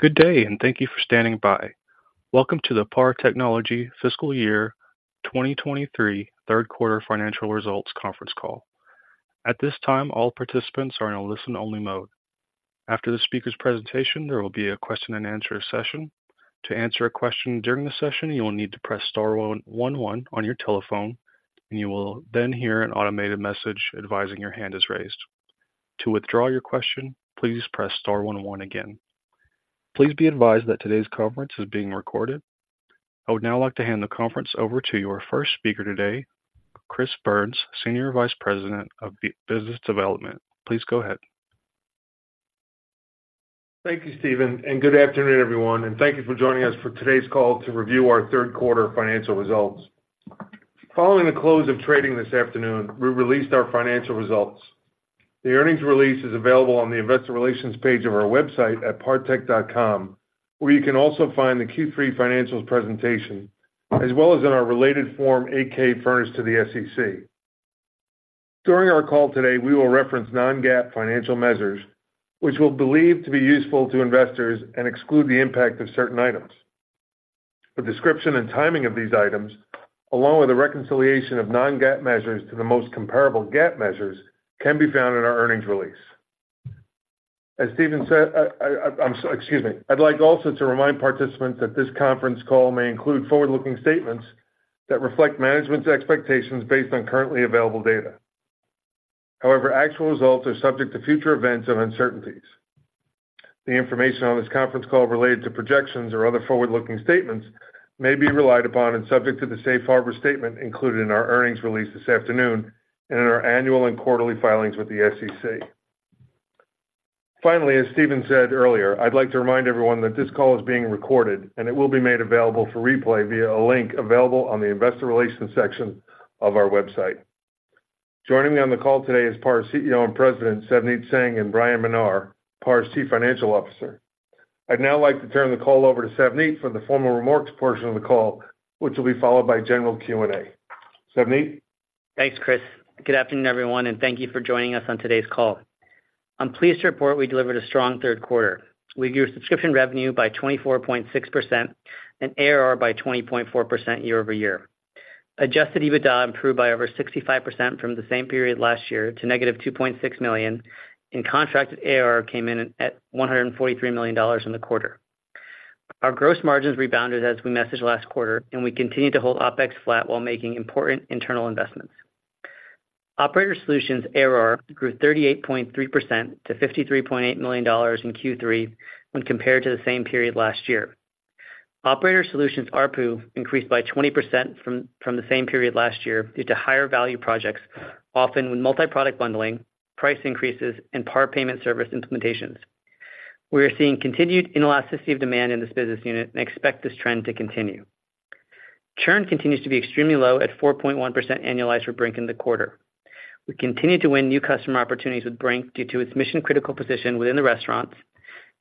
Good day, and thank you for standing by. Welcome to the PAR Technology Fiscal Year 2023 third quarter financial results conference call. At this time, all participants are in a listen-only mode. After the speaker's presentation, there will be a question and answer session. To answer a question during the session, you will need to press star one one on your telephone, and you will then hear an automated message advising your hand is raised. To withdraw your question, please press star one one again. Please be advised that today's conference is being recorded. I would now like to hand the conference over to your first speaker today, Chris Byrnes, Senior Vice President of Business Development. Please go ahead. Thank you, Steven, and good afternoon, everyone, and thank you for joining us for today's call to review our third quarter financial results. Following the close of trading this afternoon, we released our financial results. The earnings release is available on the investor relations page of our website at partech.com, where you can also find the Q3 financials presentation, as well as in our related Form 8-K furnished to the SEC. During our call today, we will reference non-GAAP financial measures, which we believe to be useful to investors and exclude the impact of certain items. The description and timing of these items, along with the reconciliation of non-GAAP measures to the most comparable GAAP measures, can be found in our earnings release. As Steven said, I'm sorry, excuse me. I'd like also to remind participants that this conference call may include forward-looking statements that reflect management's expectations based on currently available data. However, actual results are subject to future events and uncertainties. The information on this conference call related to projections or other forward-looking statements may be relied upon and subject to the safe harbor statement included in our earnings release this afternoon and in our annual and quarterly filings with the SEC. Finally, as Steven said earlier, I'd like to remind everyone that this call is being recorded, and it will be made available for replay via a link available on the investor relations section of our website. Joining me on the call today is PAR's CEO and President, Savneet Singh, and Bryan Menar, PAR's Chief Financial Officer. I'd now like to turn the call over to Savneet for the formal remarks portion of the call, which will be followed by general Q&A. Savneet? Thanks, Chris. Good afternoon, everyone, and thank you for joining us on today's call. I'm pleased to report we delivered a strong third quarter. We grew subscription revenue by 24.6% and ARR by 20.4% year-over-year. Adjusted EBITDA improved by over 65% from the same period last year to -$2.6 million, and contracted ARR came in at $143 million in the quarter. Our gross margins rebounded as we messaged last quarter, and we continued to hold OpEx flat while making important internal investments. Operator Solutions ARR grew 38.3%-$53.8 million in Q3 when compared to the same period last year. Operator Solutions ARPU increased by 20% from the same period last year due to higher value projects, often with multi-product bundling, price increases, and PAR Payment Services implementations. We are seeing continued inelasticity of demand in this business unit and expect this trend to continue. Churn continues to be extremely low at 4.1% annualized for Brink in the quarter. We continue to win new customer opportunities with Brink due to its mission-critical position within the restaurants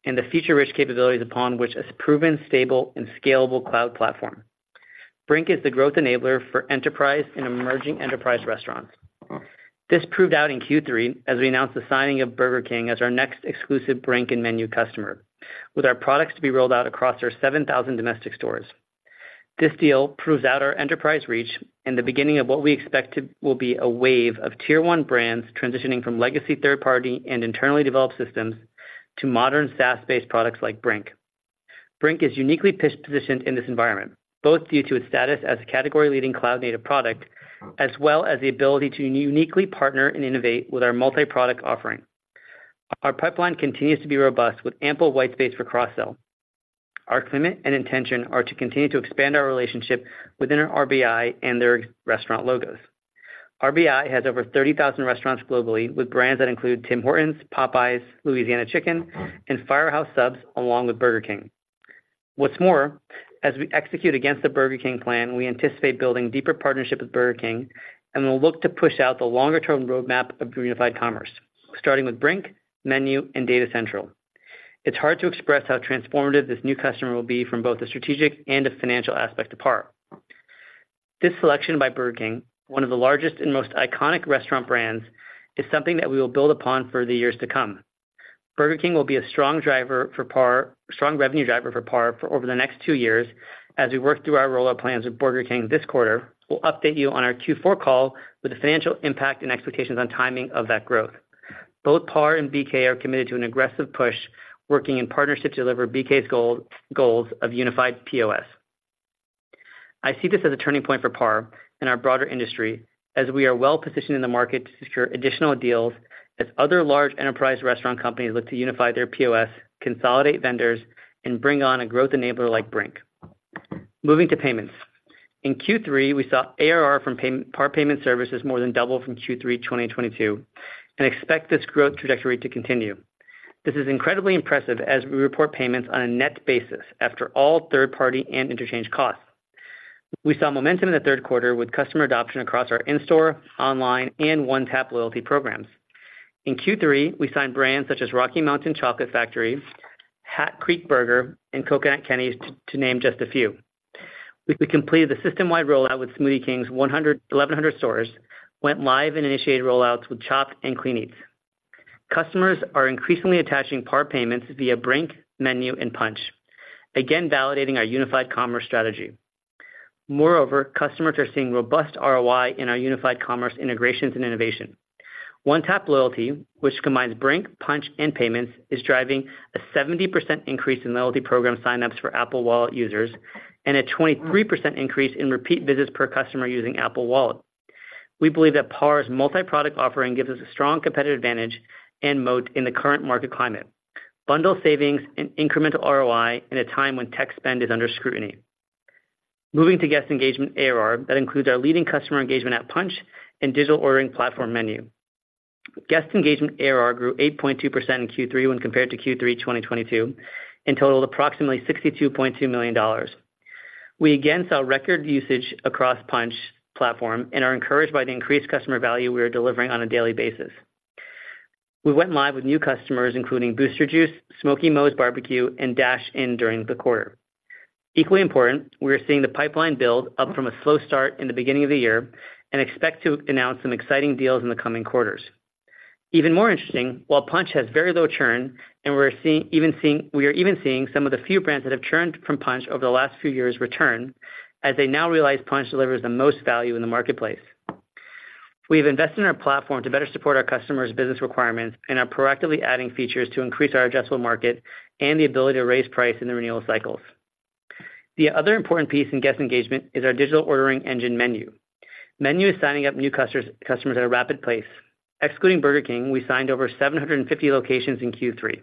and the feature-rich capabilities upon which its proven, stable, and scalable cloud platform. Brink is the growth enabler for enterprise and emerging enterprise restaurants. This proved out in Q3 as we announced the signing of Burger King as our next exclusive Brink and Menu customer, with our products to be rolled out across our 7,000 domestic stores. This deal proves out our enterprise reach and the beginning of what we expect to will be a wave of tier one brands transitioning from legacy third-party and internally developed systems to modern SaaS-based products like Brink. Brink is uniquely positioned in this environment, both due to its status as a category-leading cloud-native product, as well as the ability to uniquely partner and innovate with our multi-product offering. Our pipeline continues to be robust, with ample white space for cross-sell. Our commitment and intention are to continue to expand our relationship within our RBI and their restaurant logos. RBI has over 30,000 restaurants globally, with brands that include Tim Hortons, Popeyes Louisiana Kitchen, and Firehouse Subs, along with Burger King. What's more, as we execute against the Burger King plan, we anticipate building deeper partnership with Burger King, and we'll look to push out the longer-term roadmap of unified commerce, starting with Brink, Menu, and Data Central. It's hard to express how transformative this new customer will be from both a strategic and a financial aspect to PAR. This selection by Burger King, one of the largest and most iconic restaurant brands, is something that we will build upon for the years to come. Burger King will be a strong driver for PAR, strong revenue driver for PAR for over the next two years, as we work through our rollout plans with Burger King this quarter. We'll update you on our Q4 call with the financial impact and expectations on timing of that growth. Both PAR and BK are committed to an aggressive push, working in partnership to deliver BK's goals of unified POS. I see this as a turning point for PAR and our broader industry as we are well positioned in the market to secure additional deals as other large enterprise restaurant companies look to unify their POS, consolidate vendors, and bring on a growth enabler like Brink. Moving to payments. In Q3, we saw ARR from PAR Payment Services more than double from Q3 2022, and expect this growth trajectory to continue. This is incredibly impressive as we report payments on a net basis after all third-party and interchange costs. We saw momentum in the third quarter with customer adoption across our in-store, online, and One Tap Loyalty programs. In Q3, we signed brands such as Rocky Mountain Chocolate Factory, Hat Creek Burger, and Coconut Kenny's, to name just a few. We completed the system-wide rollout with Smoothie King's 1,100 stores, went live and initiated rollouts with Chopt and Clean Eatz. Customers are increasingly attaching PAR payments via Brink, Menu, and Punchh, again validating our unified commerce strategy. Moreover, customers are seeing robust ROI in our unified commerce integrations and innovation. One Tap Loyalty, which combines Brink, Punchh and payments, is driving a 70% increase in loyalty program signups for Apple Wallet users and a 23% increase in repeat visits per customer using Apple Wallet. We believe that PAR's multi-product offering gives us a strong competitive advantage and moat in the current market climate. Bundle savings and incremental ROI in a time when tech spend is under scrutiny. Moving to guest engagement ARR, that includes our leading customer engagement at Punchh and digital ordering platform Menu. Guest engagement ARR grew 8.2% in Q3 when compared to Q3 2022, and totaled approximately $62.2 million. We again saw record usage across Punchh platform and are encouraged by the increased customer value we are delivering on a daily basis. We went live with new customers, including Booster Juice, Smokey Mo's BBQ, and Dash In during the quarter. Equally important, we are seeing the pipeline build up from a slow start in the beginning of the year and expect to announce some exciting deals in the coming quarters. Even more interesting, while Punchh has very low churn, and we're even seeing some of the few brands that have churned from Punchh over the last few years return, as they now realize Punchh delivers the most value in the marketplace. We've invested in our platform to better support our customers' business requirements and are proactively adding features to increase our adjustable market and the ability to raise price in the renewal cycles. The other important piece in guest engagement is our digital ordering engine, Menu. Menu is signing up new customers, customers at a rapid pace. Excluding Burger King, we signed over 750 locations in Q3.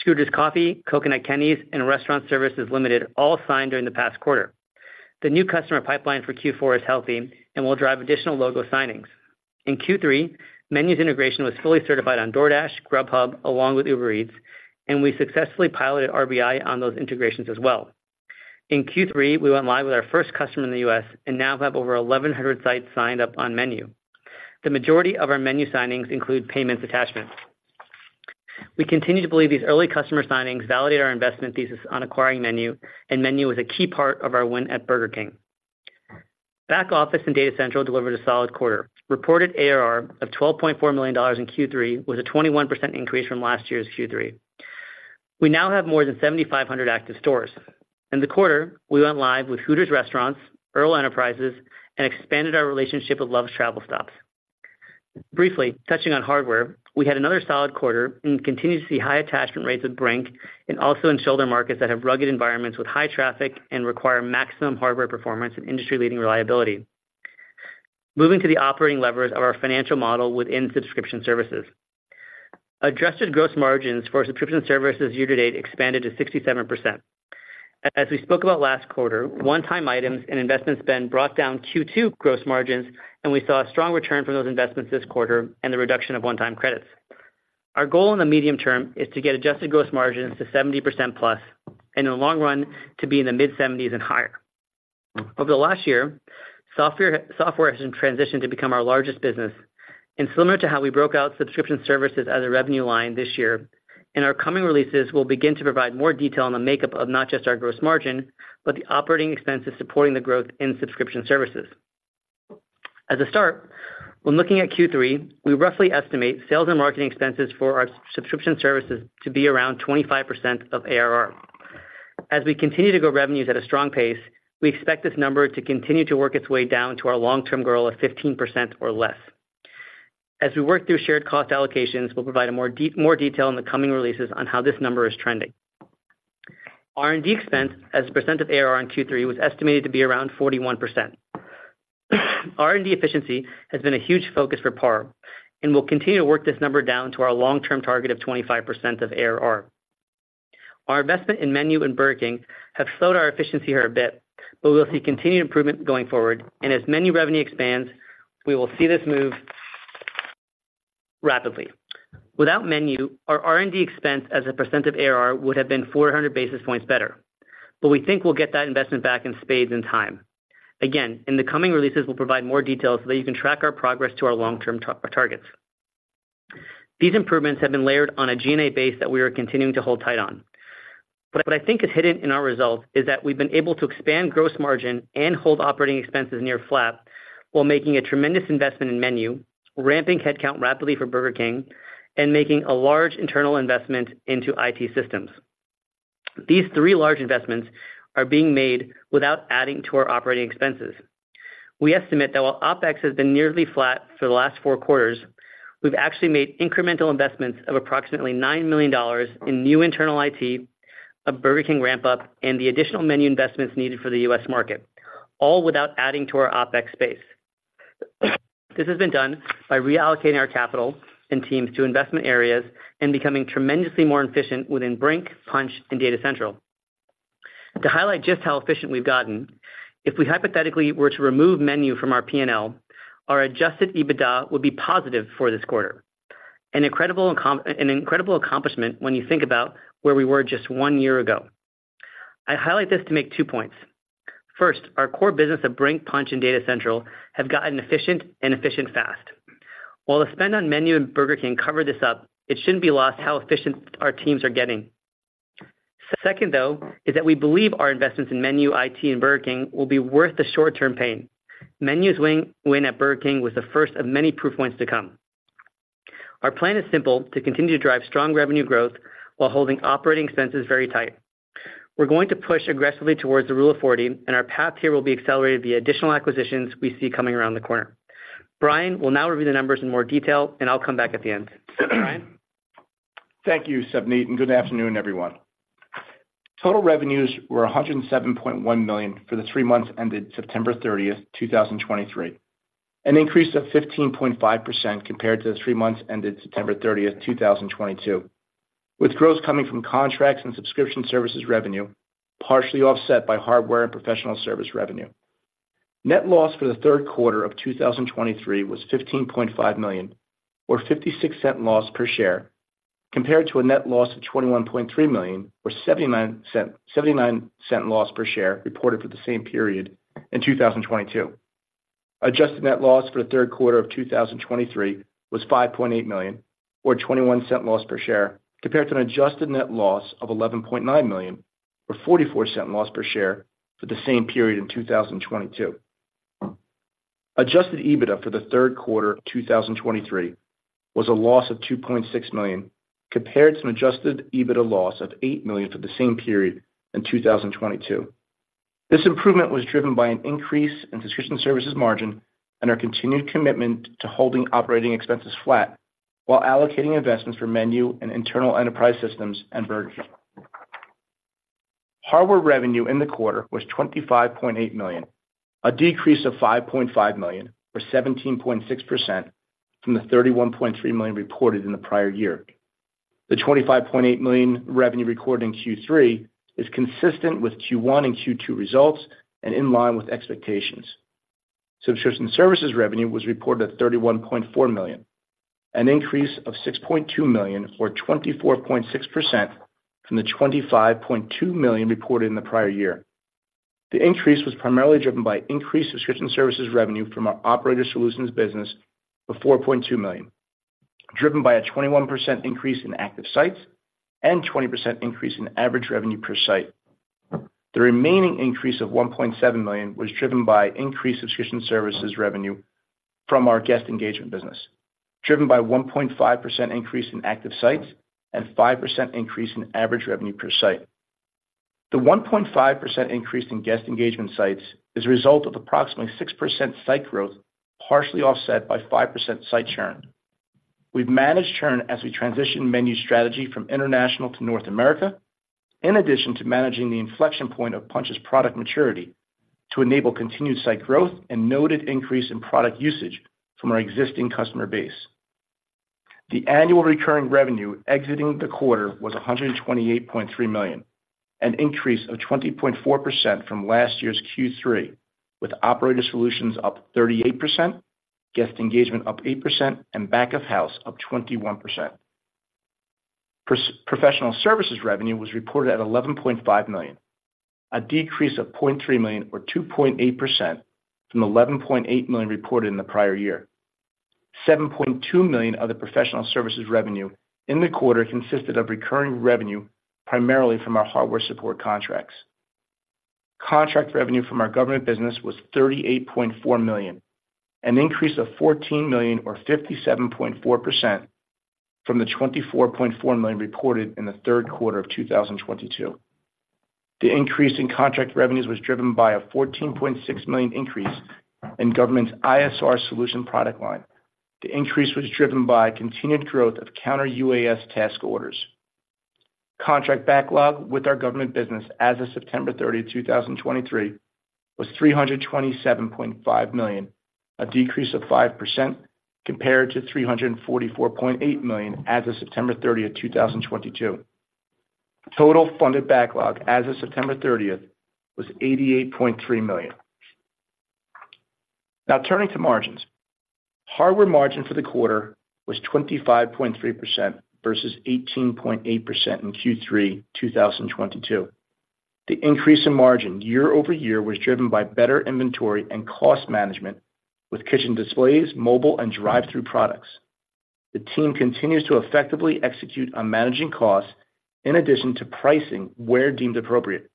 Scooter's Coffee, Coconut Kenny's, and Restaurant Services Limited, all signed during the past quarter. The new customer pipeline for Q4 is healthy and will drive additional logo signings. In Q3, Menu's integration was fully certified on DoorDash, Grubhub, along with Uber Eats, and we successfully piloted RBI on those integrations as well. In Q3, we went live with our first customer in the U.S., and now have over 1,100 sites signed up on Menu. The majority of our Menu signings include payments attachments. We continue to believe these early customer signings validate our investment thesis on acquiring Menu, and Menu is a key part of our win at Burger King. Back Office and Data Central delivered a solid quarter. Reported ARR of $12.4 million in Q3 was a 21% increase from last year's Q3. We now have more than 7,500 active stores. In the quarter, we went live with Hooters restaurants, Earl Enterprises, and expanded our relationship with Love's Travel Stops. Briefly touching on hardware, we had another solid quarter and continue to see high attachment rates at Brink and also in shoulder markets that have rugged environments with high traffic and require maximum hardware performance and industry-leading reliability. Moving to the operating levers of our financial model within subscription services. Adjusted gross margins for subscription services year to date expanded to 67%. As we spoke about last quarter, one-time items and investment spend brought down Q2 gross margins, and we saw a strong return from those investments this quarter and the reduction of one-time credits. Our goal in the medium term is to get adjusted gross margins to 70% plus, and in the long run, to be in the mid-70s and higher. Over the last year, software, software has been transitioned to become our largest business. And similar to how we broke out subscription services as a revenue line this year, in our coming releases, we'll begin to provide more detail on the makeup of not just our gross margin, but the operating expenses supporting the growth in subscription services. As a start, when looking at Q3, we roughly estimate sales and marketing expenses for our subscription services to be around 25% of ARR. As we continue to grow revenues at a strong pace, we expect this number to continue to work its way down to our long-term goal of 15% or less. As we work through shared cost allocations, we'll provide more detail in the coming releases on how this number is trending. R&D expense as a percent of ARR in Q3 was estimated to be around 41%. R&D efficiency has been a huge focus for Par, and we'll continue to work this number down to our long-term target of 25% of ARR. Our investment in Menu and Burger King have slowed our efficiency here a bit, but we'll see continued improvement going forward, and as Menu revenue expands, we will see this move rapidly. Without Menu, our R&D expense as a percent of ARR would have been 400 basis points better, but we think we'll get that investment back in spades in time. Again, in the coming releases, we'll provide more details so that you can track our progress to our long-term targets. These improvements have been layered on a G&A base that we are continuing to hold tight on. But what I think is hidden in our results is that we've been able to expand gross margin and hold operating expenses near flat, while making a tremendous investment in Menu, ramping headcount rapidly for Burger King, and making a large internal investment into IT systems. These three large investments are being made without adding to our operating expenses. We estimate that while OpEx has been nearly flat for the last four quarters, we've actually made incremental investments of approximately $9 million in new internal IT, a Burger King ramp-up, and the additional Menu investments needed for the U.S. market, all without adding to our OpEx space. This has been done by reallocating our capital and teams to investment areas and becoming tremendously more efficient within Brink, Punchh, and Data Central. To highlight just how efficient we've gotten, if we hypothetically were to remove Menu from our PNL, our Adjusted EBITDA would be positive for this quarter. An incredible accomplishment when you think about where we were just one year ago. I highlight this to make two points: First, our core business of Brink, Punchh, and Data Central have gotten efficient and efficient fast... While the spend on Menu and Burger King cover this up, it shouldn't be lost how efficient our teams are getting. Second, though, is that we believe our investments in Menu, IT, and Burger King will be worth the short-term pain. Menu's win-win at Burger King was the first of many proof points to come. Our plan is simple: to continue to drive strong revenue growth while holding operating expenses very tight. We're going to push aggressively towards the Rule of 40, and our path here will be accelerated via additional acquisitions we see coming around the corner. Bryan will now review the numbers in more detail, and I'll come back at the end. Bryan? Thank you, Savneet, and good afternoon, everyone. Total revenues were $107.1 million for the three months ended September 30, 2023, an increase of 15.5% compared to the three months ended September 30, 2022, with growth coming from contracts and subscription services revenue, partially offset by hardware and professional service revenue. Net loss for the third quarter of 2023 was $15.5 million, or $0.56 loss per share, compared to a net loss of $21.3 million, or 79-cent, 79-cent loss per share reported for the same period in 2022. Adjusted net loss for the third quarter of 2023 was $5.8 million, or $0.21 loss per share, compared to an adjusted net loss of $11.9 million, or $0.44 loss per share, for the same period in 2022. Adjusted EBITDA for the third quarter of 2023 was a loss of $2.6 million, compared to an adjusted EBITDA loss of $8 million for the same period in 2022. This improvement was driven by an increase in subscription services margin and our continued commitment to holding operating expenses flat while allocating investments for menu and internal enterprise systems and Burgers King. Hardware revenue in the quarter was $25.8 million, a decrease of $5.5 million, or 17.6%, from the $31.3 million reported in the prior year. The $25.8 million revenue recorded in Q3 is consistent with Q1 and Q2 results and in line with expectations. Subscription services revenue was reported at $31.4 million, an increase of $6.2 million, or 24.6%, from the $25.2 million reported in the prior year. The increase was primarily driven by increased subscription services revenue from our Operator Solutions business of $4.2 million, driven by a 21% increase in active sites and 20% increase in average revenue per site. The remaining increase of $1.7 million was driven by increased subscription services revenue from our guest engagement business, driven by 1.5% increase in active sites and 5% increase in average revenue per site. The 1.5% increase in guest engagement sites is a result of approximately 6% site growth, partially offset by 5% site churn. We've managed churn as we transition menu strategy from international to North America, in addition to managing the inflection point of Punchh's product maturity to enable continued site growth and noted increase in product usage from our existing customer base. The annual recurring revenue exiting the quarter was $128.3 million, an increase of 20.4% from last year's Q3, with Operator Solutions up 38%, Guest Engagement up 8%, and Back of House up 21%. Professional services revenue was reported at $11.5 million, a decrease of $0.3 million or 2.8% from $11.8 million reported in the prior year. $7.2 million of the professional services revenue in the quarter consisted of recurring revenue, primarily from our hardware support contracts. Contract revenue from our government business was $38.4 million, an increase of $14 million or 57.4% from the $24.4 million reported in the third quarter of 2022. The increase in contract revenues was driven by a $14.6 million increase in government's ISR solution product line. The increase was driven by continued growth of counter UAS task orders. Contract backlog with our government business as of September 30, 2023, was $327.5 million, a decrease of 5% compared to $344.8 million as of September 30, 2022. Total funded backlog as of September 30 was $88.3 million. Now, turning to margins. Hardware margin for the quarter was 25.3% versus 18.8% in Q3 2022. The increase in margin year over year was driven by better inventory and cost management with kitchen displays, mobile, and drive-through products. The team continues to effectively execute on managing costs in addition to pricing where deemed appropriate.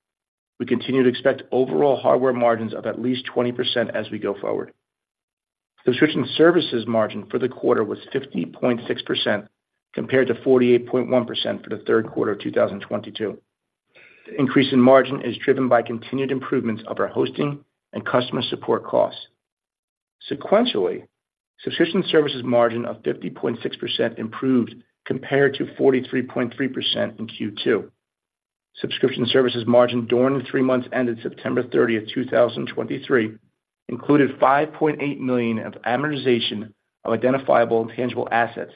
We continue to expect overall hardware margins of at least 20% as we go forward. Subscription services margin for the quarter was 50.6%, compared to 48.1% for the third quarter of 2022. Increase in margin is driven by continued improvements of our hosting and customer support costs. Sequentially, subscription services margin of 50.6% improved compared to 43.3% in Q2. Subscription services margin during the three months ended September 30, 2023, included $5.8 million of amortization of identifiable intangible assets,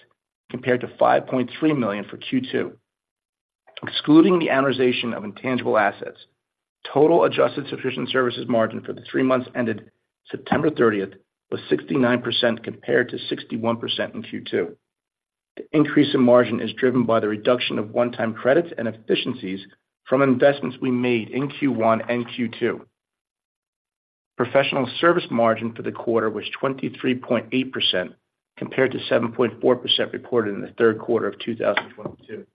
compared to $5.3 million for Q2. Excluding the amortization of intangible assets, total adjusted subscription services margin for the three months ended September 30 was 69%, compared to 61% in Q2. The increase in margin is driven by the reduction of one-time credits and efficiencies from investments we made in Q1 and Q2. Professional services margin for the quarter was 23.8%, compared to 7.4% reported in the third quarter of 2022.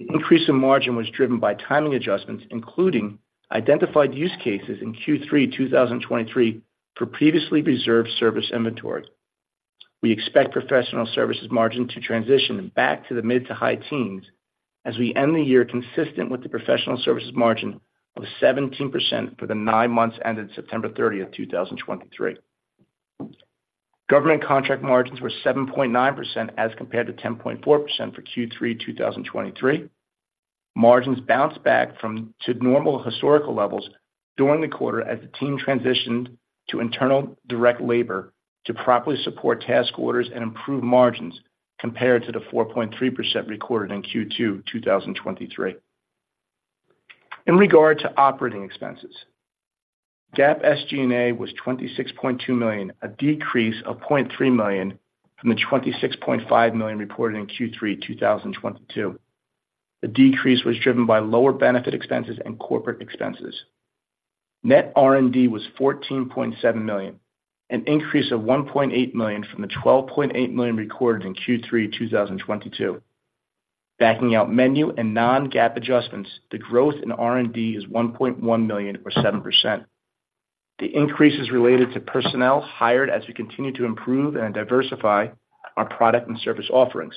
The increase in margin was driven by timing adjustments, including identified use cases in Q3 2023 for previously reserved service inventories. We expect professional services margin to transition back to the mid- to high-teens as we end the year, consistent with the professional services margin of 17% for the nine months ended September 30, 2023. Government contract margins were 7.9% as compared to 10.4% for Q3 2023. Margins bounced back from, to normal historical levels during the quarter as the team transitioned to internal direct labor to properly support task orders and improve margins, compared to the 4.3% recorded in Q2 2023. In regard to operating expenses, GAAP SG&A was $26.2 million, a decrease of $0.3 million from the $26.5 million reported in Q3 2022. The decrease was driven by lower benefit expenses and corporate expenses. Net R&D was $14.7 million, an increase of $1.8 million from the $12.8 million recorded in Q3 2022. Backing out menu and non-GAAP adjustments, the growth in R&D is $1.1 million, or 7%. The increase is related to personnel hired as we continue to improve and diversify our product and service offerings,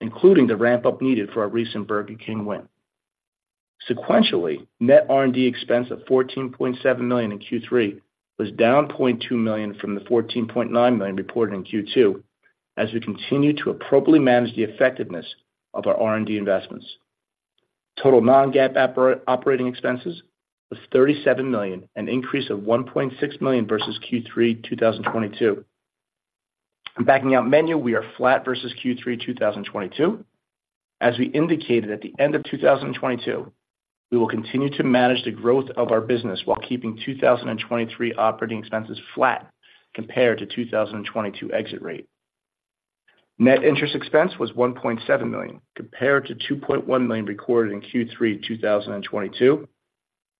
including the ramp-up needed for our recent Burger King win. Sequentially, net R&D expense of $14.7 million in Q3 was down $0.2 million from the $14.9 million reported in Q2, as we continue to appropriately manage the effectiveness of our R&D investments. Total non-GAAP operating expenses was $37 million, an increase of $1.6 million versus Q3 2022. And backing out menu, we are flat versus Q3 2022. As we indicated at the end of 2022, we will continue to manage the growth of our business while keeping 2023 operating expenses flat compared to 2022 exit rate. Net interest expense was $1.7 million, compared to $2.1 million recorded in Q3, 2022.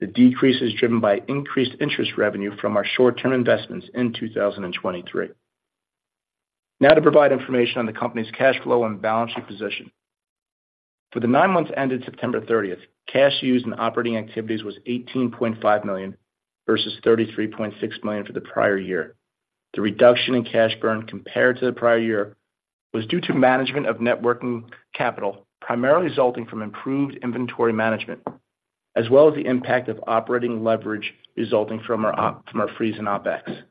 The decrease is driven by increased interest revenue from our short-term investments in 2023. Now to provide information on the company's cash flow and balance sheet position. For the nine months ended September 30, cash used in operating activities was $18.5 million, versus $33.6 million for the prior year. The reduction in cash burn compared to the prior year was due to management of working capital, primarily resulting from improved inventory management, as well as the impact of operating leverage resulting from our freeze in OpEx.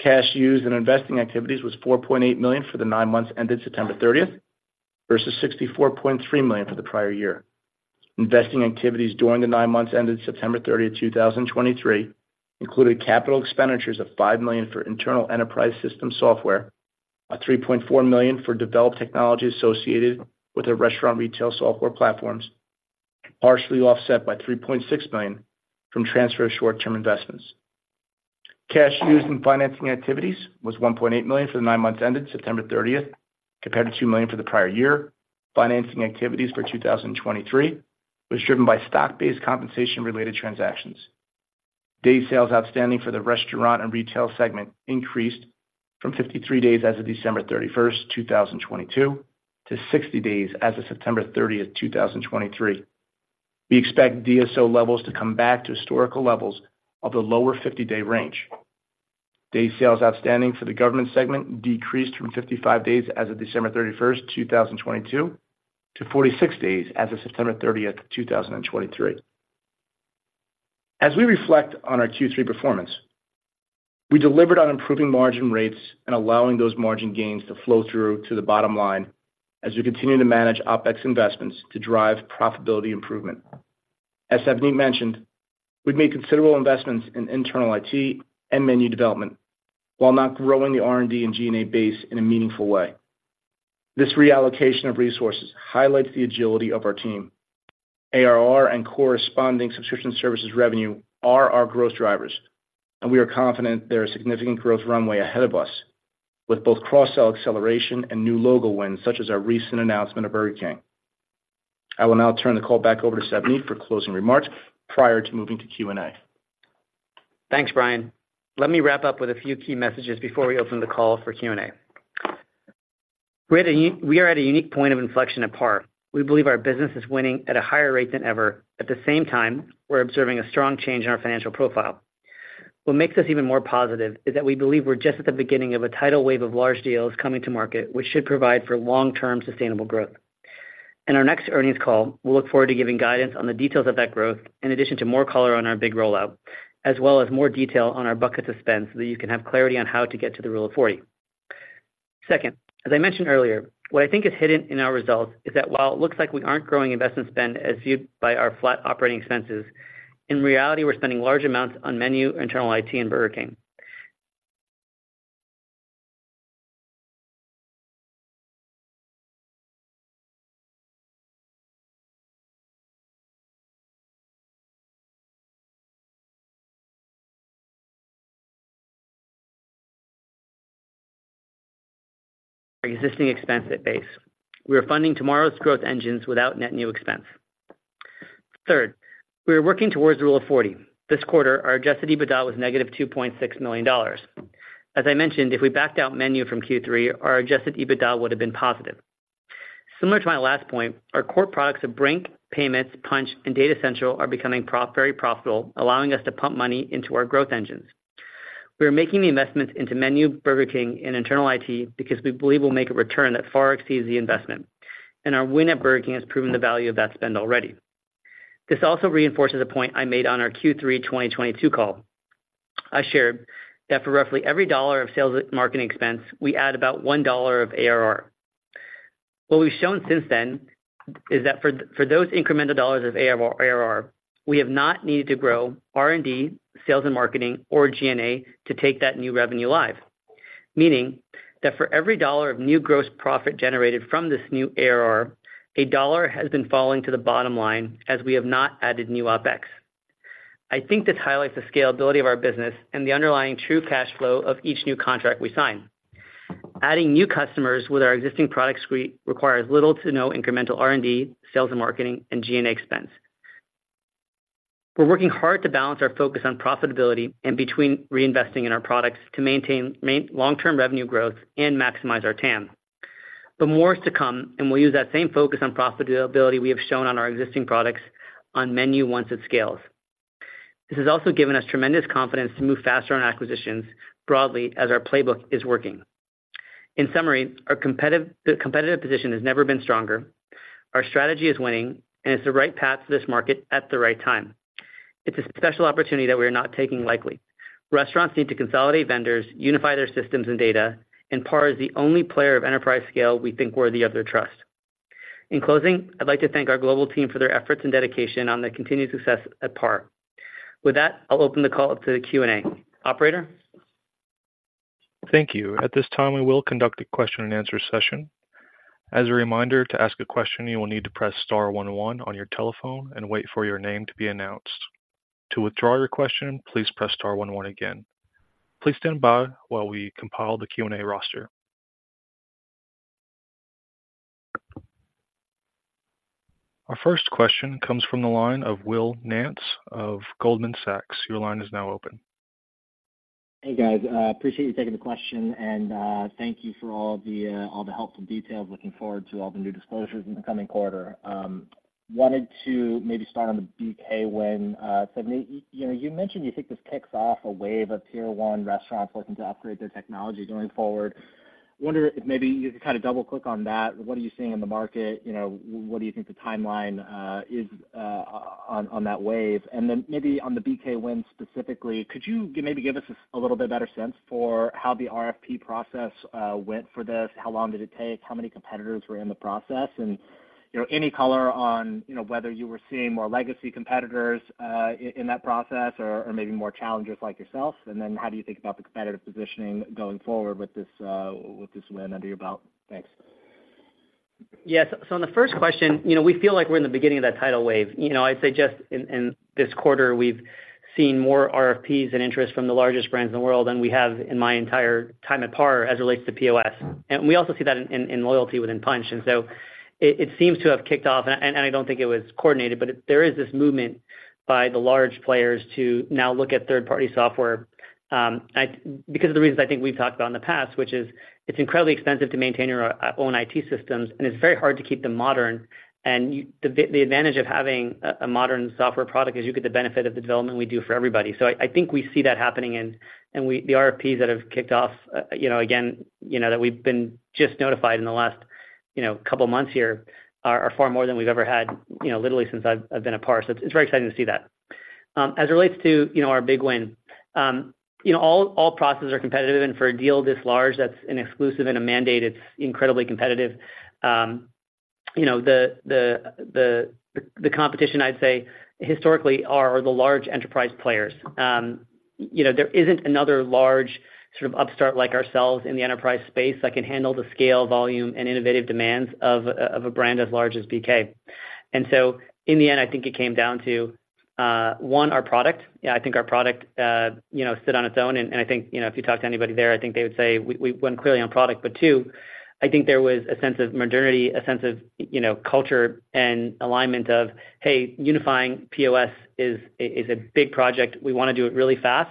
Cash used in investing activities was $4.8 million for the nine months ended September 30, versus $64.3 million for the prior year. Investing activities during the nine months ended September 30, 2023, included capital expenditures of $5 million for internal enterprise system software, $3.4 million for developed technology associated with our restaurant retail software platforms, partially offset by $3.6 million from transfer of short-term investments. Cash used in financing activities was $1.8 million for the nine months ended September 30, compared to $2 million for the prior year. Financing activities for 2023 was driven by stock-based compensation-related transactions. Day sales outstanding for the restaurant and retail segment increased from 53 days as of December 31, 2022, to 60 days as of September 30, 2023. We expect DSO levels to come back to historical levels of the lower 50-day range. Day sales outstanding for the government segment decreased from 55 days as of December 31, 2022, to 46 days as of September 30, 2023. As we reflect on our Q3 performance, we delivered on improving margin rates and allowing those margin gains to flow through to the bottom line as we continue to manage OpEx investments to drive profitability improvement. As Savneet mentioned, we've made considerable investments in internal IT and menu development, while not growing the R&D and G&A base in a meaningful way. This reallocation of resources highlights the agility of our team. ARR and corresponding subscription services revenue are our growth drivers, and we are confident there is significant growth runway ahead of us, with both cross-sell acceleration and new logo wins, such as our recent announcement of Burger King. I will now turn the call back over to Savneet for closing remarks prior to moving to Q&A. Thanks, Brian. Let me wrap up with a few key messages before we open the call for Q&A. We're at a unique point of inflection at PAR. We believe our business is winning at a higher rate than ever. At the same time, we're observing a strong change in our financial profile. What makes us even more positive is that we believe we're just at the beginning of a tidal wave of large deals coming to market, which should provide for long-term sustainable growth. In our next earnings call, we'll look forward to giving guidance on the details of that growth, in addition to more color on our big rollout, as well as more detail on our buckets of spend, so that you can have clarity on how to get to the Rule of Forty. Second, as I mentioned earlier, what I think is hidden in our results is that while it looks like we aren't growing investment spend as viewed by our flat operating expenses, in reality, we're spending large amounts on Menu, internal IT, and Burger King... our existing expense at base. We are funding tomorrow's growth engines without net new expense. Third, we are working towards the Rule of 40. This quarter, our adjusted EBITDA was negative $2.6 million. As I mentioned, if we backed out Menu from Q3, our adjusted EBITDA would have been positive. Similar to my last point, our core products of Brink, Payments, Punchh, and Data Central are becoming very profitable, allowing us to pump money into our growth engines. We are making the investments into Menu, Burger King, and internal IT because we believe we'll make a return that far exceeds the investment, and our win at Burger King has proven the value of that spend already. This also reinforces a point I made on our Q3 2022 call. I shared that for roughly every dollar of sales and marketing expense, we add about one dollar of ARR. What we've shown since then is that for those incremental dollars of ARR, we have not needed to grow R&D, sales and marketing, or G&A to take that new revenue live. Meaning that for every dollar of new gross profit generated from this new ARR, a dollar has been falling to the bottom line as we have not added new OpEx. I think this highlights the scalability of our business and the underlying true cash flow of each new contract we sign. Adding new customers with our existing product suite requires little to no incremental R&D, sales and marketing, and G&A expense. We're working hard to balance our focus on profitability and between reinvesting in our products to maintain long-term revenue growth and maximize our TAM. But more is to come, and we'll use that same focus on profitability we have shown on our existing products on Menu once it scales. This has also given us tremendous confidence to move faster on acquisitions broadly as our playbook is working. In summary, our competitive position has never been stronger, our strategy is winning, and it's the right path to this market at the right time. It's a special opportunity that we are not taking lightly. Restaurants need to consolidate vendors, unify their systems and data, and PAR is the only player of enterprise scale we think worthy of their trust. In closing, I'd like to thank our global team for their efforts and dedication on the continued success at PAR. With that, I'll open the call up to the Q&A. Operator? Thank you. At this time, we will conduct a question-and-answer session. As a reminder, to ask a question, you will need to press star one one on your telephone and wait for your name to be announced. To withdraw your question, please press star one one again. Please stand by while we compile the Q&A roster. Our first question comes from the line of Will Nance of Goldman Sachs. Your line is now open. Hey, guys, appreciate you taking the question, and, thank you for all the, all the helpful details. Looking forward to all the new disclosures in the coming quarter. Wanted to maybe start on the BK win. So, you know, you mentioned you think this kicks off a wave of Tier One restaurants looking to upgrade their technology going forward. I wonder if maybe you could kind of double-click on that. What are you seeing in the market? You know, what do you think the timeline is on that wave? And then maybe on the BK win specifically, could you maybe give us a, a little bit better sense for how the RFP process went for this? How long did it take? How many competitors were in the process? You know, any color on, you know, whether you were seeing more legacy competitors in that process or maybe more challengers like yourself. And then how do you think about the competitive positioning going forward with this win under your belt? Thanks. Yes. So on the first question, you know, we feel like we're in the beginning of that tidal wave. You know, I'd say just in this quarter, we've seen more RFPs and interest from the largest brands in the world than we have in my entire time at PAR as it relates to POS. And we also see that in loyalty within Punchh, and so it seems to have kicked off, and I don't think it was coordinated, but it, there is this movement by the large players to now look at third-party software. Because of the reasons I think we've talked about in the past, which is it's incredibly expensive to maintain your own IT systems, and it's very hard to keep them modern. The advantage of having a modern software product is you get the benefit of the development we do for everybody. So I think we see that happening, and the RFPs that have kicked off, you know, again, you know, that we've been just notified in the last, you know, couple months here, are far more than we've ever had, you know, literally since I've been at PAR. So it's very exciting to see that. As it relates to, you know, our big win, you know, all processes are competitive, and for a deal this large, that's an exclusive and a mandate, it's incredibly competitive. You know, the competition, I'd say, historically are the large enterprise players. You know, there isn't another large sort of upstart like ourselves in the enterprise space that can handle the scale, volume, and innovative demands of a brand as large as BK. And so in the end, I think it came down to one, our product. Yeah, I think our product, you know, stood on its own, and I think, you know, if you talk to anybody there, I think they would say we won clearly on product, but two, I think there was a sense of modernity, a sense of, you know, culture and alignment of, "Hey, unifying POS is a big project. We want to do it really fast."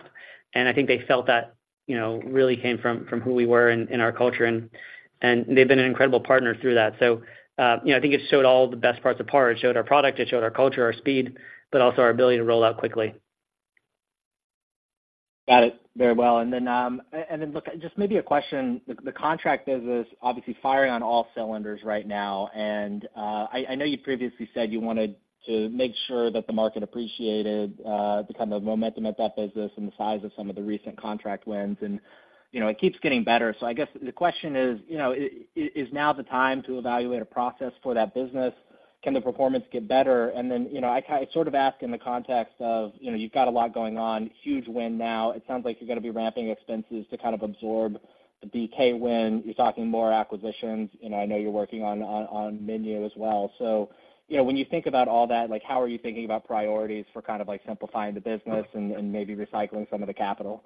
And I think they felt that, you know, really came from who we were in our culture, and they've been an incredible partner through that. So, you know, I think it showed all the best parts of PAR. It showed our product, it showed our culture, our speed, but also our ability to roll out quickly. Got it. Very well. And then, and then, look, just maybe a question. The contract business is obviously firing on all cylinders right now, and, I know you previously said you wanted to make sure that the market appreciated, the kind of momentum at that business and the size of some of the recent contract wins, and, you know, it keeps getting better. So I guess the question is, you know, is now the time to evaluate a process for that business? Can the performance get better? And then, you know, I sort of ask in the context of, you know, you've got a lot going on, huge win now. It sounds like you're going to be ramping expenses to kind of absorb the BK win. You're talking more acquisitions, and I know you're working on Menu as well. You know, when you think about all that, like, how are you thinking about priorities for kind of, like, simplifying the business and, and maybe recycling some of the capital?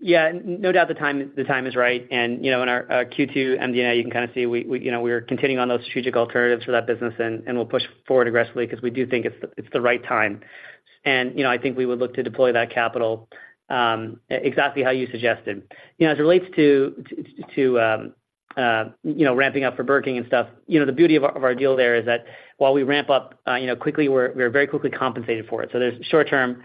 Yeah, no doubt the time is right. And, you know, in our Q2 MD&A, you can kind of see we, you know, we're continuing on those strategic alternatives for that business, and we'll push forward aggressively because we do think it's the right time. And, you know, I think we would look to deploy that capital exactly how you suggested. You know, as it relates to you know, ramping up for Burger King and stuff, you know, the beauty of our deal there is that while we ramp up you know, quickly, we're very quickly compensated for it. So there's short term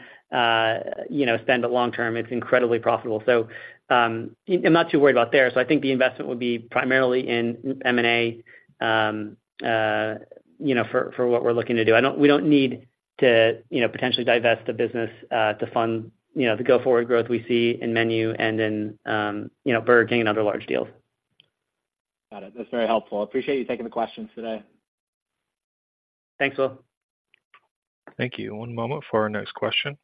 you know, spend, but long term, it's incredibly profitable. So, I'm not too worried about there. So I think the investment would be primarily in M&A, you know, for what we're looking to do. I don't. We don't need to, you know, potentially divest the business to fund, you know, the go-forward growth we see in Menu and in, you know, Burger King and other large deals. Got it. That's very helpful. I appreciate you taking the questions today. Thanks, Will. Thank you. One moment for our next question.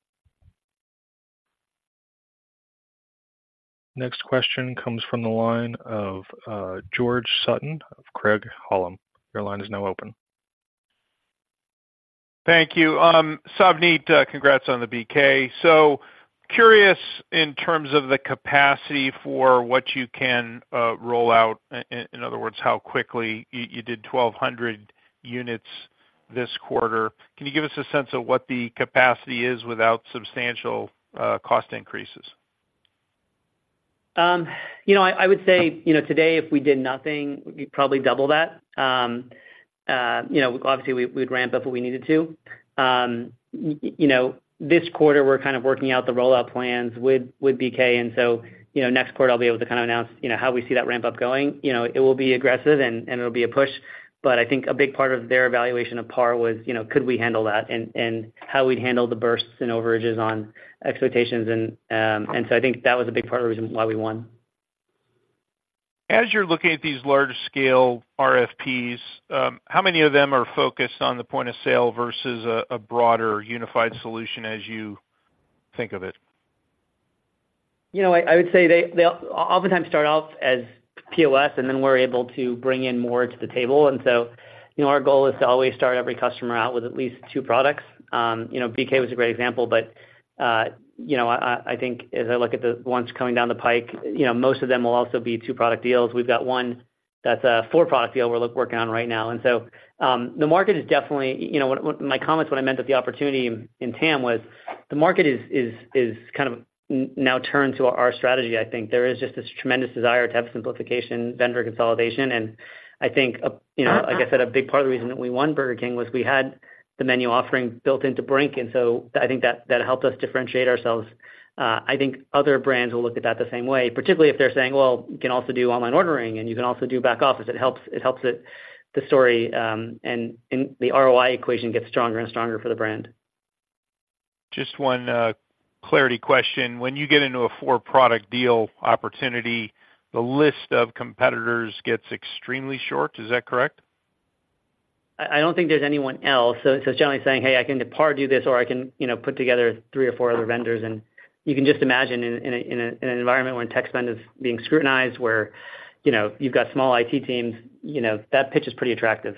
Next question comes from the line of George Sutton of Craig-Hallum. Your line is now open. Thank you. Savneet, congrats on the BK. So curious, in terms of the capacity for what you can roll out, in other words, how quickly you did 1,200 units this quarter. Can you give us a sense of what the capacity is without substantial cost increases? You know, I would say, you know, today, if we did nothing, we'd probably double that. You know, obviously, we'd ramp up what we needed to. You know, this quarter, we're kind of working out the rollout plans with BK, and so, you know, next quarter, I'll be able to kind of announce, you know, how we see that ramp-up going. You know, it will be aggressive, and it'll be a push, but I think a big part of their evaluation of PAR was, you know, could we handle that? And how we'd handle the bursts and overages on expectations, and so I think that was a big part of the reason why we won. As you're looking at these large-scale RFPs, how many of them are focused on the point of sale versus a broader unified solution as you think of it? You know, I would say they oftentimes start out as POS, and then we're able to bring in more to the table. And so, you know, our goal is to always start every customer out with at least two products. You know, BK was a great example, but, you know, I think as I look at the ones coming down the pike, you know, most of them will also be two-product deals. We've got one that's a four-product deal we're working on right now. And so, the market is definitely... You know, what my comments, when I meant that the opportunity in TAM was, the market is kind of now turned to our strategy, I think. There is just this tremendous desire to have simplification, vendor consolidation, and I think a, you know, like I said, a big part of the reason that we won Burger King was we had the menu offering built into Brink, and so I think that, that helped us differentiate ourselves. I think other brands will look at that the same way, particularly if they're saying, "Well, you can also do online ordering, and you can also do back office." It helps, it helps it the story, and, and the ROI equation gets stronger and stronger for the brand. Just one, clarity question. When you get into a four-product deal opportunity, the list of competitors gets extremely short. Is that correct? I don't think there's anyone else. So it's generally saying, "Hey, I can PAR do this, or I can, you know, put together three or four other vendors." And you can just imagine in an environment where tech spend is being scrutinized, where, you know, you've got small IT teams, you know, that pitch is pretty attractive.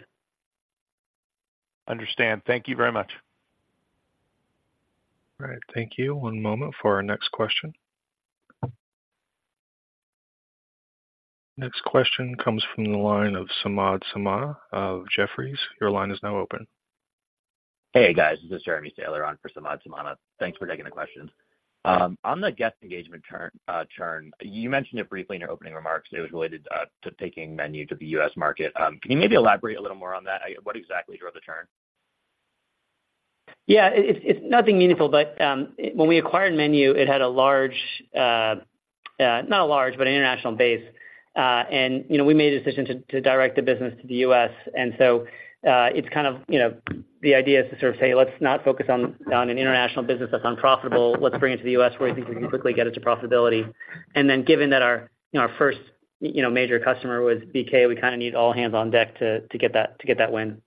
Understand. Thank you very much. All right. Thank you. One moment for our next question. Next question comes from the line of Samad Samana of Jefferies. Your line is now open. Hey, guys, this is Jeremy Sahler on for Samad Samana. Thanks for taking the questions. On the guest engagement turn, churn, you mentioned it briefly in your opening remarks. It was related to taking Menu to the US market. Can you maybe elaborate a little more on that? What exactly drove the churn? Yeah, it, it's nothing meaningful, but, when we acquired Menu, it had a large, not a large, but an international base. And, you know, we made a decision to, to direct the business to the US, and so, it's kind of, you know, the idea is to sort of say, "Let's not focus on, on an international business that's unprofitable. Let's bring it to the US, where we think we can quickly get it to profitability." And then, given that our, you know, our first, you know, major customer was BK, we kind of need all hands on deck to, to get that, to get that win.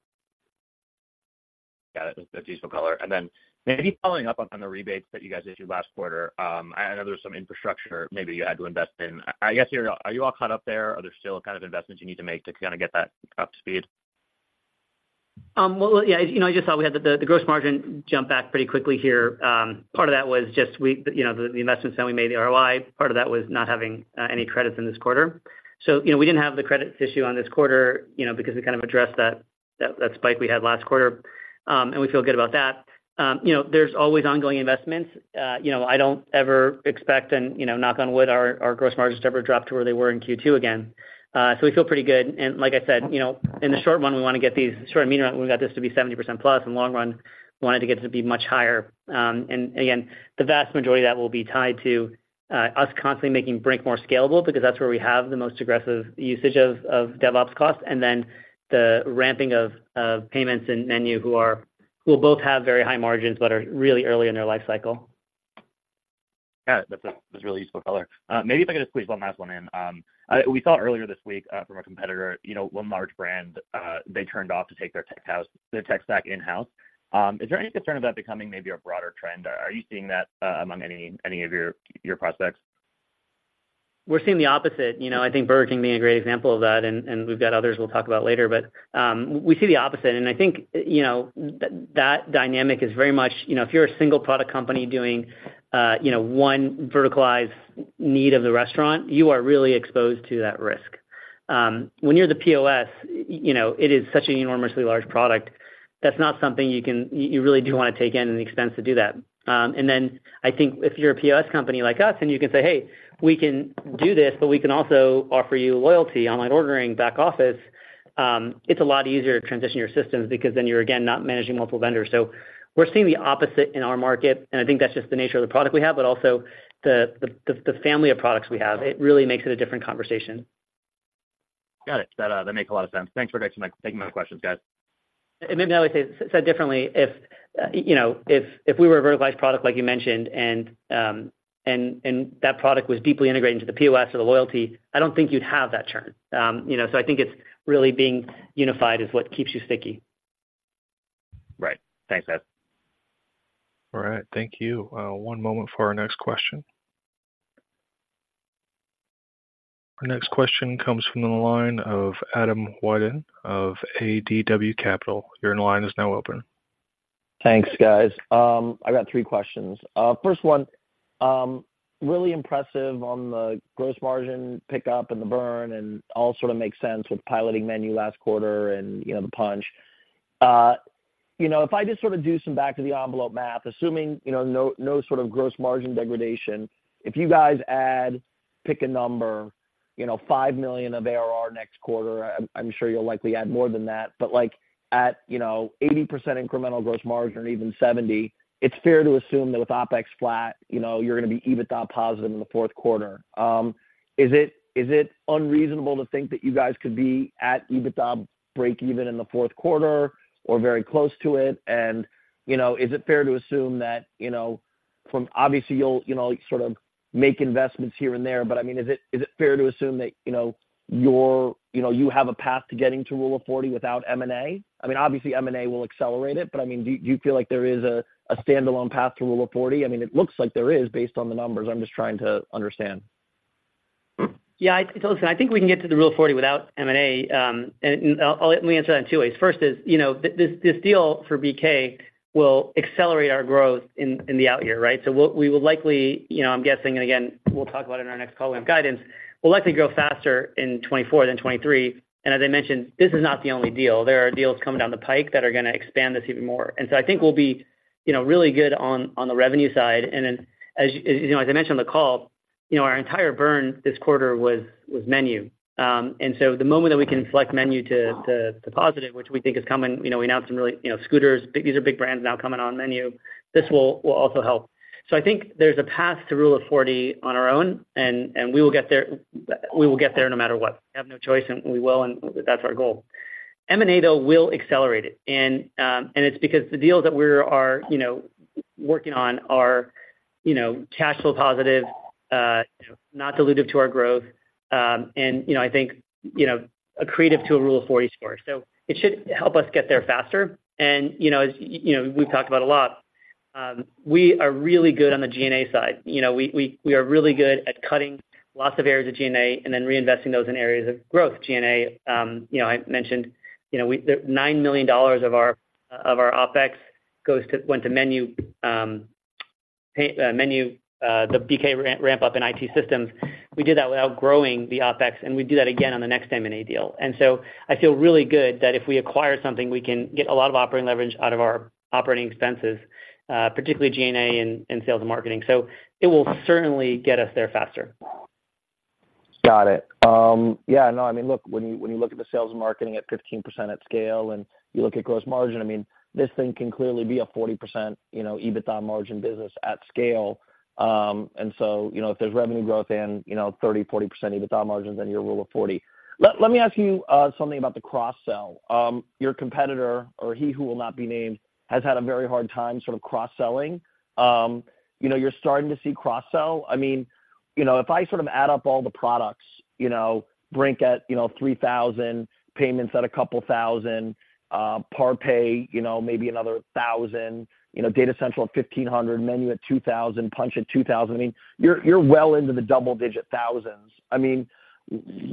Got it. That's useful color. And then maybe following up on the rebates that you guys issued last quarter, I know there was some infrastructure maybe you had to invest in. I guess, are you all caught up there, or are there still kind of investments you need to make to kind of get that up to speed? Well, yeah, you know, I just thought we had the gross margin jump back pretty quickly here. Part of that was just we, you know, the investments that we made, the ROI. Part of that was not having any credits in this quarter. So, you know, we didn't have the credits issue on this quarter, you know, because we kind of addressed that spike we had last quarter. And we feel good about that. You know, there's always ongoing investments. You know, I don't ever expect and, you know, knock on wood, our gross margins to ever drop to where they were in Q2 again. So we feel pretty good. And like I said, you know, in the short run, we wanna get these short and medium run, we got this to be 70% plus. In the long run, we want it to get to be much higher. And again, the vast majority of that will be tied to us constantly making Brink more scalable because that's where we have the most aggressive usage of DevOps costs, and then the ramping of payments and Menu, who both have very high margins but are really early in their life cycle. Got it. That's a really useful color. Maybe if I could just squeeze one last one in. We saw earlier this week, from a competitor, you know, one large brand, they turned off to take their tech house, their tech stack in-house. Is there any concern about becoming maybe a broader trend? Are you seeing that, among any of your prospects? ... We're seeing the opposite. You know, I think Burger King being a great example of that, and we've got others we'll talk about later. But we see the opposite, and I think, you know, that dynamic is very much, you know, if you're a single product company doing, you know, one verticalized need of the restaurant, you are really exposed to that risk. When you're the POS, you know, it is such an enormously large product. That's not something you can—you, you really do want to take in, and the expense to do that. And then I think if you're a POS company like us, and you can say, "Hey, we can do this, but we can also offer you loyalty, online ordering, back office," it's a lot easier to transition your systems because then you're, again, not managing multiple vendors. So we're seeing the opposite in our market, and I think that's just the nature of the product we have, but also the family of products we have. It really makes it a different conversation. Got it. That, that makes a lot of sense. Thanks for taking my questions, guys. Maybe I would say, said differently, if, you know, if we were a verticalized product like you mentioned, and that product was deeply integrated into the POS or the loyalty, I don't think you'd have that churn. You know, so I think it's really being unified is what keeps you sticky. Right. Thanks, guys. All right. Thank you. One moment for our next question. Our next question comes from the line of Adam Wyden of ADW Capital. Your line is now open. Thanks, guys. I've got three questions. First one, really impressive on the gross margin pickup and the burn, and all sort of makes sense with piloting Menu last quarter and, you know, the Punch. You know, if I just sort of do some back-of-the-envelope math, assuming, you know, no sort of gross margin degradation, if you guys add, pick a number, you know, $5 million of ARR next quarter, I'm sure you'll likely add more than that. But like at, you know, 80% incremental gross margin or even 70%, it's fair to assume that with OpEx flat, you know, you're going to be EBITDA positive in the fourth quarter. Is it unreasonable to think that you guys could be at EBITDA breakeven in the fourth quarter or very close to it? You know, is it fair to assume that, you know, from obviously, you'll, you know, sort of make investments here and there, but I mean, is it, is it fair to assume that, you know, you're-- you know, you have a path to getting to Rule of Forty without M&A? I mean, obviously, M&A will accelerate it, but I mean, do you feel like there is a, a standalone path to Rule of Forty? I mean, it looks like there is, based on the numbers. I'm just trying to understand. Yeah, so listen, I think we can get to the Rule of Forty without M&A, and I'll let me answer that in two ways. First is, you know, this deal for BK will accelerate our growth in the out year, right? So what we will likely, you know, I'm guessing, and again, we'll talk about it in our next call, we have guidance, we'll likely grow faster in 2024 than 2023. And as I mentioned, this is not the only deal. There are deals coming down the pike that are going to expand this even more. And so I think we'll be, you know, really good on the revenue side. And then as you know, as I mentioned on the call, you know, our entire burn this quarter was Menu. The moment that we can flex Menu to positive, which we think is coming, you know, we announced some really, you know, Scooter's. These are big brands now coming on Menu. This will also help. So I think there's a path to Rule of Forty on our own, and we will get there, we will get there no matter what. We have no choice, and we will, and that's our goal. M&A, though, will accelerate it. And it's because the deals that we are, you know, working on are, you know, cash flow positive, you know, not dilutive to our growth, and, you know, I think, you know, accretive to a Rule of Forty score. So it should help us get there faster. You know, as you know, we've talked about a lot, we are really good on the G&A side. You know, we are really good at cutting lots of areas of G&A and then reinvesting those in areas of growth. G&A, you know, I mentioned, you know, we $9 million of our OpEx went to Menu, the BK ramp up in IT systems. We did that without growing the OpEx, and we do that again on the next M&A deal. And so I feel really good that if we acquire something, we can get a lot of operating leverage out of our operating expenses, particularly G&A and sales and marketing. So it will certainly get us there faster. Got it. Yeah, no, I mean, look, when you, when you look at the sales and marketing at 15% at scale, and you look at gross margin, I mean, this thing can clearly be a 40%, you know, EBITDA margin business at scale. And so, you know, if there's revenue growth and, you know, 30%-40% EBITDA margins, then you're Rule of 40. Let me ask you, something about the cross-sell. Your competitor, or he who will not be named, has had a very hard time sort of cross-selling. You know, you're starting to see cross-sell. I mean, you know, if I sort of add up all the products, you know, Brink at $3,000, payments at a couple thousand, PAR Pay, you know, maybe another $1,000, you know, Data Central at $1,500, Menu at $2,000, Punchh at $2,000. I mean, you're well into the double-digit thousands. I mean,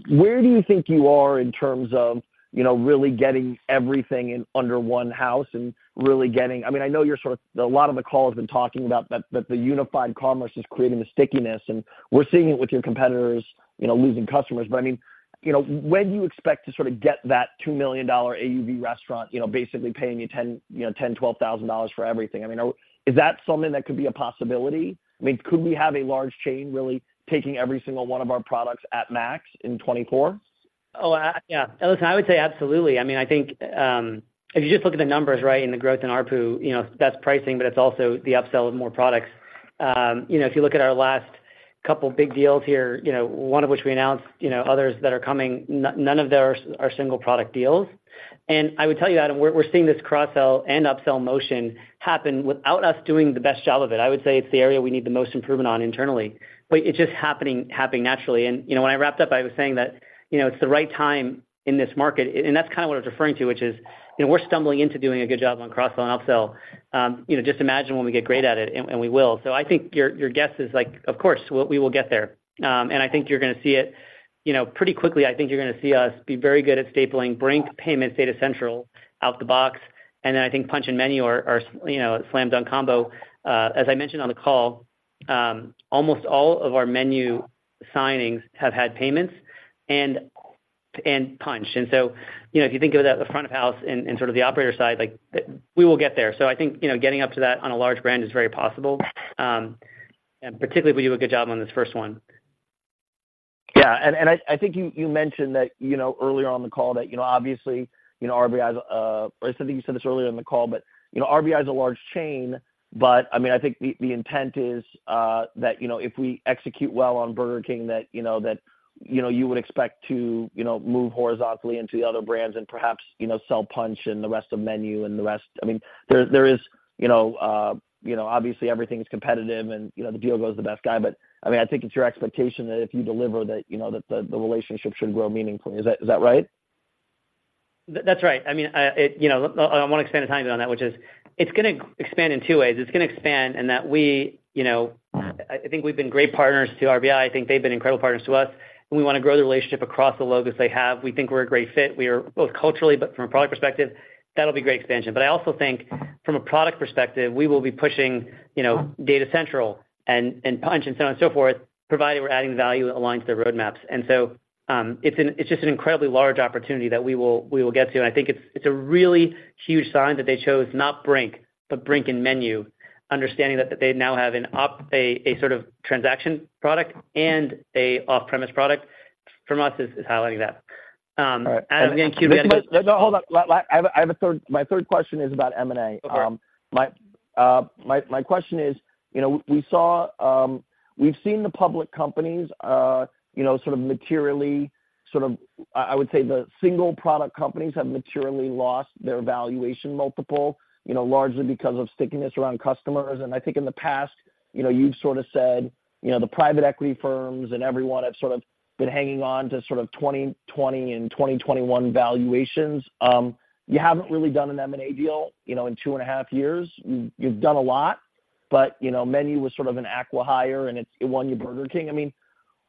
where do you think you are in terms of, you know, really getting everything in under one house and really getting... I mean, I know you're sort of, a lot of the call has been talking about that, that the Unified Commerce is creating the stickiness, and we're seeing it with your competitors, you know, losing customers. But I mean, you know, when do you expect to sort of get that $2 million AUV restaurant, you know, basically paying you $10,000-$12,000 for everything? I mean, are, is that something that could be a possibility? I mean, could we have a large chain really taking every single one of our products at max in 2024? Oh, yeah. Listen, I would say absolutely. I mean, I think, if you just look at the numbers, right, and the growth in ARPU, you know, that's pricing, but it's also the upsell of more products. You know, if you look at our last couple big deals here, you know, one of which we announced, you know, others that are coming, none of them are single product deals. And I would tell you, Adam, we're seeing this cross-sell and upsell motion happen without us doing the best job of it. I would say it's the area we need the most improvement on internally, but it's just happening naturally. You know, when I wrapped up, I was saying that, you know, it's the right time in this market, and that's kind of what I was referring to, which is, you know, we're stumbling into doing a good job on cross-sell and upsell. You know, just imagine when we get great at it, and we will. So I think your guess is like, of course, we will get there. And I think you're going to see it, you know, pretty quickly. I think you're going to see us be very good at stapling Brink payments, Data Central out the box. And then I think Punch and Menu are, you know, slam dunk combo. As I mentioned on the call, almost all of our Menu signings have had payments and Punch. And so, you know, if you think about the front of house and sort of the operator side, like, we will get there. So I think, you know, getting up to that on a large brand is very possible, and particularly if we do a good job on this first one. Yeah, and I think you mentioned that, you know, earlier on the call that, you know, obviously, you know, RBI's, or I think you said this earlier in the call, but, you know, RBI is a large chain, but I mean, I think the intent is that, you know, if we execute well on Burger King, that, you know, you would expect to, you know, move horizontally into the other brands and perhaps, you know, sell Punch and the rest of Menu and the rest. I mean, there is, you know, obviously everything is competitive and, you know, the deal goes to the best guy. But, I mean, I think it's your expectation that if you deliver that, you know, that the relationship should grow meaningfully. Is that right? That's right. I mean, it, you know, I want to expand the timing on that, which is it's gonna expand in two ways. It's gonna expand, and that we, you know, I think we've been great partners to RBI. I think they've been incredible partners to us, and we want to grow the relationship across the logos they have. We think we're a great fit. We are, both culturally, but from a product perspective, that'll be great expansion. But I also think from a product perspective, we will be pushing, you know, Data Central and Punchh and so on and so forth, provided we're adding value that aligns their roadmaps. And so, it's just an incredibly large opportunity that we will, we will get to. I think it's a really huge sign that they chose not Brink, but Brink and Menu, understanding that they now have an op—a, a sort of transaction product and an off-premise product. From us, it's highlighting that. Again, Q4- No, hold on. I have, I have a third... My third question is about M&A. Okay. My question is, you know, we saw, we've seen the public companies, you know, sort of materially, sort of, I would say, the single product companies have materially lost their valuation multiple, you know, largely because of stickiness around customers. I think in the past, you know, you've sort of said, you know, the private equity firms and everyone have sort of been hanging on to sort of 2020 and 2021 valuations. You haven't really done an M&A deal, you know, in two and a half years. You've done a lot, but, you know, Menu was sort of an acqui-hire, and it won you Burger King. I mean,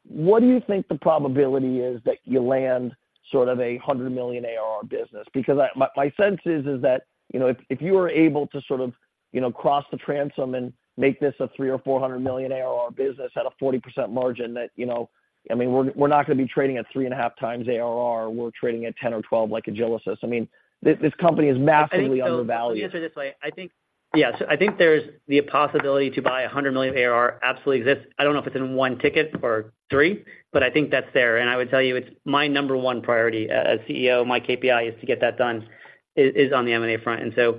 what do you think the probability is that you land sort of a $100 million ARR business? Because my sense is that, you know, if you were able to sort of, you know, cross the transom and make this a $300 million-$400 million ARR business at a 40% margin, that, you know, I mean, we're not going to be trading at 3.5 times ARR. We're trading at 10 or 12 like Agilysys. I mean, this company is massively undervalued. Let me answer this way: I think, yes, I think there's the possibility to buy 100 million ARR absolutely exists. I don't know if it's in one ticket or three, but I think that's there. And I would tell you, it's my number one priority. As CEO, my KPI is to get that done, is, is on the M&A front. And so,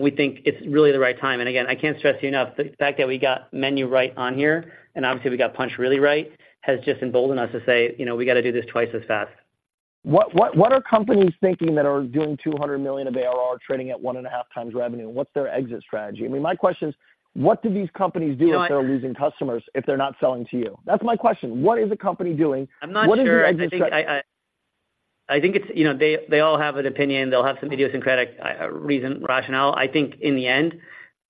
we think it's really the right time. And again, I can't stress you enough, the fact that we got Menu right on here, and obviously, we got Punch really right, has just emboldened us to say, "You know, we got to do this twice as fast. What are companies thinking that are doing $200 million of ARR, trading at 1.5x revenue? What's their exit strategy? I mean, my question is: What do these companies do if they're losing customers, if they're not selling to you? That's my question. What is the company doing? I'm not sure. What is the exit strat- I think it's... You know, they all have an opinion. They'll have some idiosyncratic reason, rationale. I think in the end,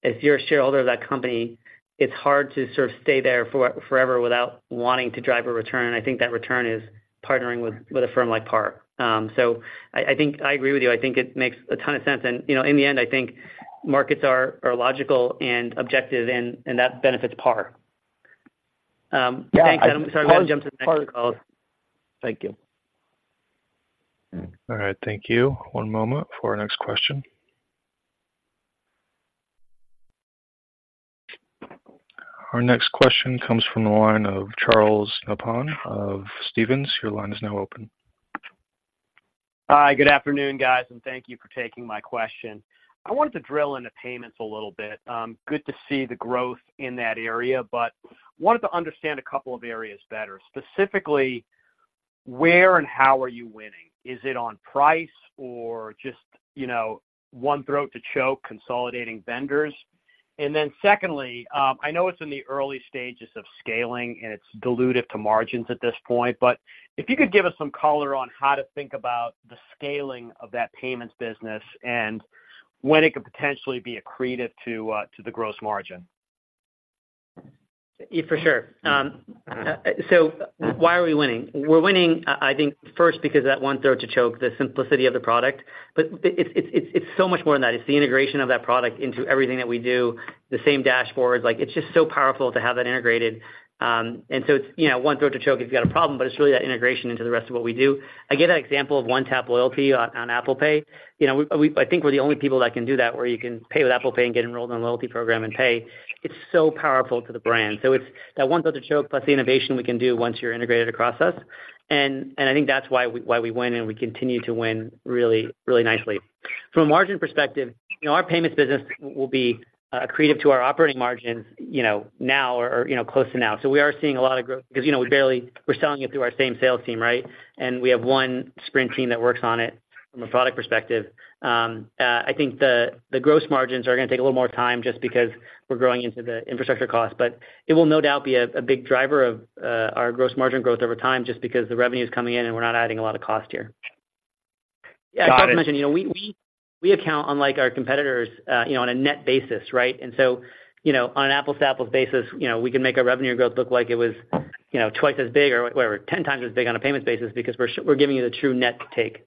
if you're a shareholder of that company, it's hard to sort of stay there forever without wanting to drive a return, and I think that return is partnering with a firm like PAR. So I think I agree with you. I think it makes a ton of sense. And, you know, in the end, I think markets are logical and objective, and that benefits PAR. Thanks. Sorry, I want to jump to the next call. Thank you. All right, thank you. One moment for our next question. Our next question comes from the line of Charles Nabhan of Stephens. Your line is now open. Hi, good afternoon, guys, and thank you for taking my question. I wanted to drill into payments a little bit. Good to see the growth in that area, but wanted to understand a couple of areas better. Specifically, where and how are you winning? Is it on price or just, you know, one throat to choke, consolidating vendors? And then secondly, I know it's in the early stages of scaling, and it's dilutive to margins at this point, but if you could give us some color on how to think about the scaling of that payments business and when it could potentially be accretive to, to the gross margin. For sure. So why are we winning? We're winning, I think, first, because that one throat to choke, the simplicity of the product. But it's so much more than that. It's the integration of that product into everything that we do, the same dashboards. Like, it's just so powerful to have that integrated. And so it's, you know, one throat to choke if you've got a problem, but it's really that integration into the rest of what we do. I give that example of One Tap Loyalty on Apple Pay. You know, we-- I think we're the only people that can do that, where you can pay with Apple Pay and get enrolled in a loyalty program and pay. It's so powerful to the brand. So it's that one throat to choke, plus the innovation we can do once you're integrated across us. I think that's why we win, and we continue to win really, really nicely. From a margin perspective, you know, our payments business will be accretive to our operating margins, you know, now or close to now. So we are seeing a lot of growth because, you know, we're selling it through our same sales team, right? And we have one sprint team that works on it from a product perspective. I think the gross margins are going to take a little more time just because we're growing into the infrastructure costs, but it will no doubt be a big driver of our gross margin growth over time, just because the revenue is coming in and we're not adding a lot of cost here. Got it. Yeah, I forgot to mention, you know, we account, unlike our competitors, you know, on a net basis, right? And so, you know, on an apples-to-apples basis, you know, we can make our revenue growth look like it was, you know, twice as big or whatever, ten times as big on a payments basis because we're giving you the true net take....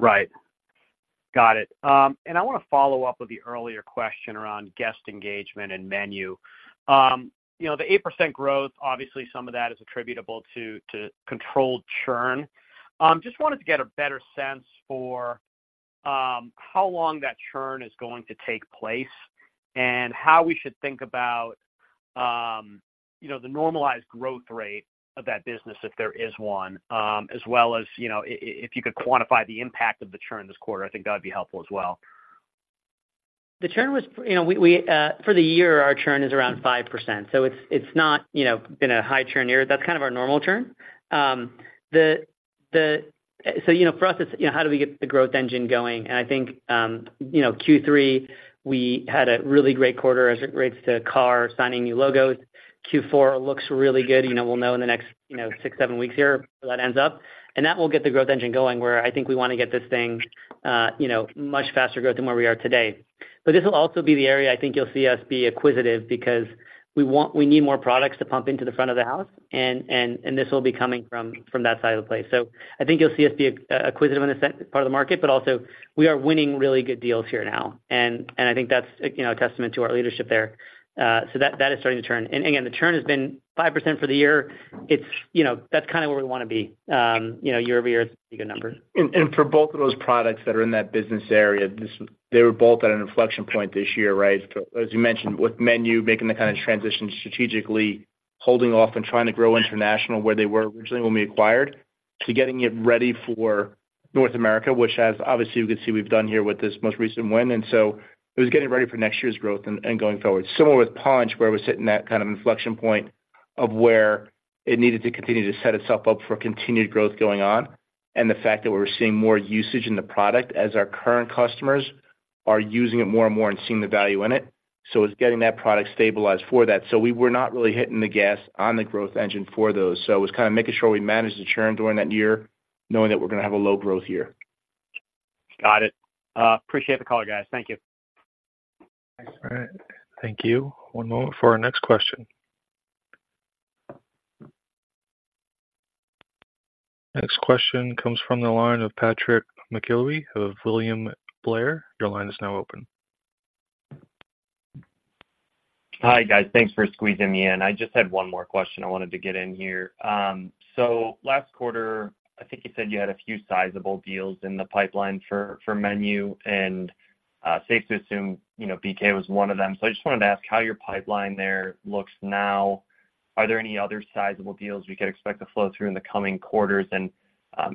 Right. Got it. And I want to follow up with the earlier question around guest engagement and menu. You know, the 8% growth, obviously, some of that is attributable to, to controlled churn. Just wanted to get a better sense for, how long that churn is going to take place and how we should think about, you know, the normalized growth rate of that business, if there is one, as well as, you know, if you could quantify the impact of the churn this quarter, I think that would be helpful as well. The churn was, you know, for the year, our churn is around 5%, so it's, it's not, you know, been a high churn year. That's kind of our normal churn. So, you know, for us, it's, you know, how do we get the growth engine going? And I think, you know, Q3, we had a really great quarter as it relates to PAR signing new logos. Q4 looks really good. You know, we'll know in the next, you know, six, seven weeks here, where that ends up. And that will get the growth engine going, where I think we want to get this thing, you know, much faster growth than where we are today. But this will also be the area I think you'll see us be acquisitive because we want—we need more products to pump into the front of the house, and this will be coming from that side of the place. So I think you'll see us be acquisitive in that part of the market, but also we are winning really good deals here now. And I think that's, you know, a testament to our leadership there. So that is starting to turn. And again, the churn has been 5% for the year. It's, you know, that's kind of where we want to be. You know, year-over-year, it's pretty good numbers. For both of those products that are in that business area, this, they were both at an inflection point this year, right? As you mentioned, with Menu, making the kind of transition strategically, holding off and trying to grow international, where they were originally when we acquired, to getting it ready for North America, which as obviously you can see, we've done here with this most recent win. So it was getting ready for next year's growth and going forward. Similar with Punchh, where it was hitting that kind of inflection point of where it needed to continue to set itself up for continued growth going on, and the fact that we're seeing more usage in the product as our current customers are using it more and more and seeing the value in it. So it's getting that product stabilized for that. We were not really hitting the gas on the growth engine for those. So it was kind of making sure we managed the churn during that year, knowing that we're going to have a low growth year. Got it. Appreciate the call, guys. Thank you. All right. Thank you. One moment for our next question. Next question comes from the line of Patrick McKeever of William Blair. Your line is now open. Hi, guys. Thanks for squeezing me in. I just had one more question I wanted to get in here. So last quarter, I think you said you had a few sizable deals in the pipeline for Menu, and safe to assume, you know, BK was one of them. So I just wanted to ask how your pipeline there looks now. Are there any other sizable deals we could expect to flow through in the coming quarters? And,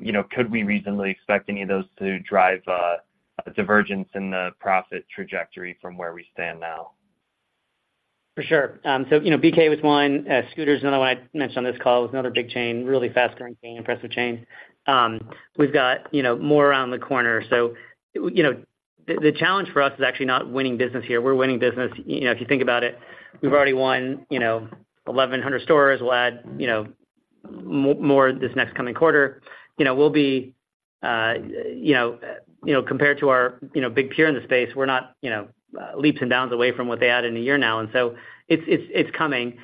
you know, could we reasonably expect any of those to drive a divergence in the profit trajectory from where we stand now? For sure. So, you know, BK was one, Scooter's another one I mentioned on this call, was another big chain, really fast-growing chain, impressive chain. We've got, you know, more around the corner. So, you know, the challenge for us is actually not winning business here. We're winning business. You know, if you think about it, we've already won, you know, 1,100 stores. We'll add, you know, more this next coming quarter. You know, we'll be, you know, compared to our, you know, big peer in the space, we're not, you know, leaps and bounds away from what they had in a year now, and so it's coming.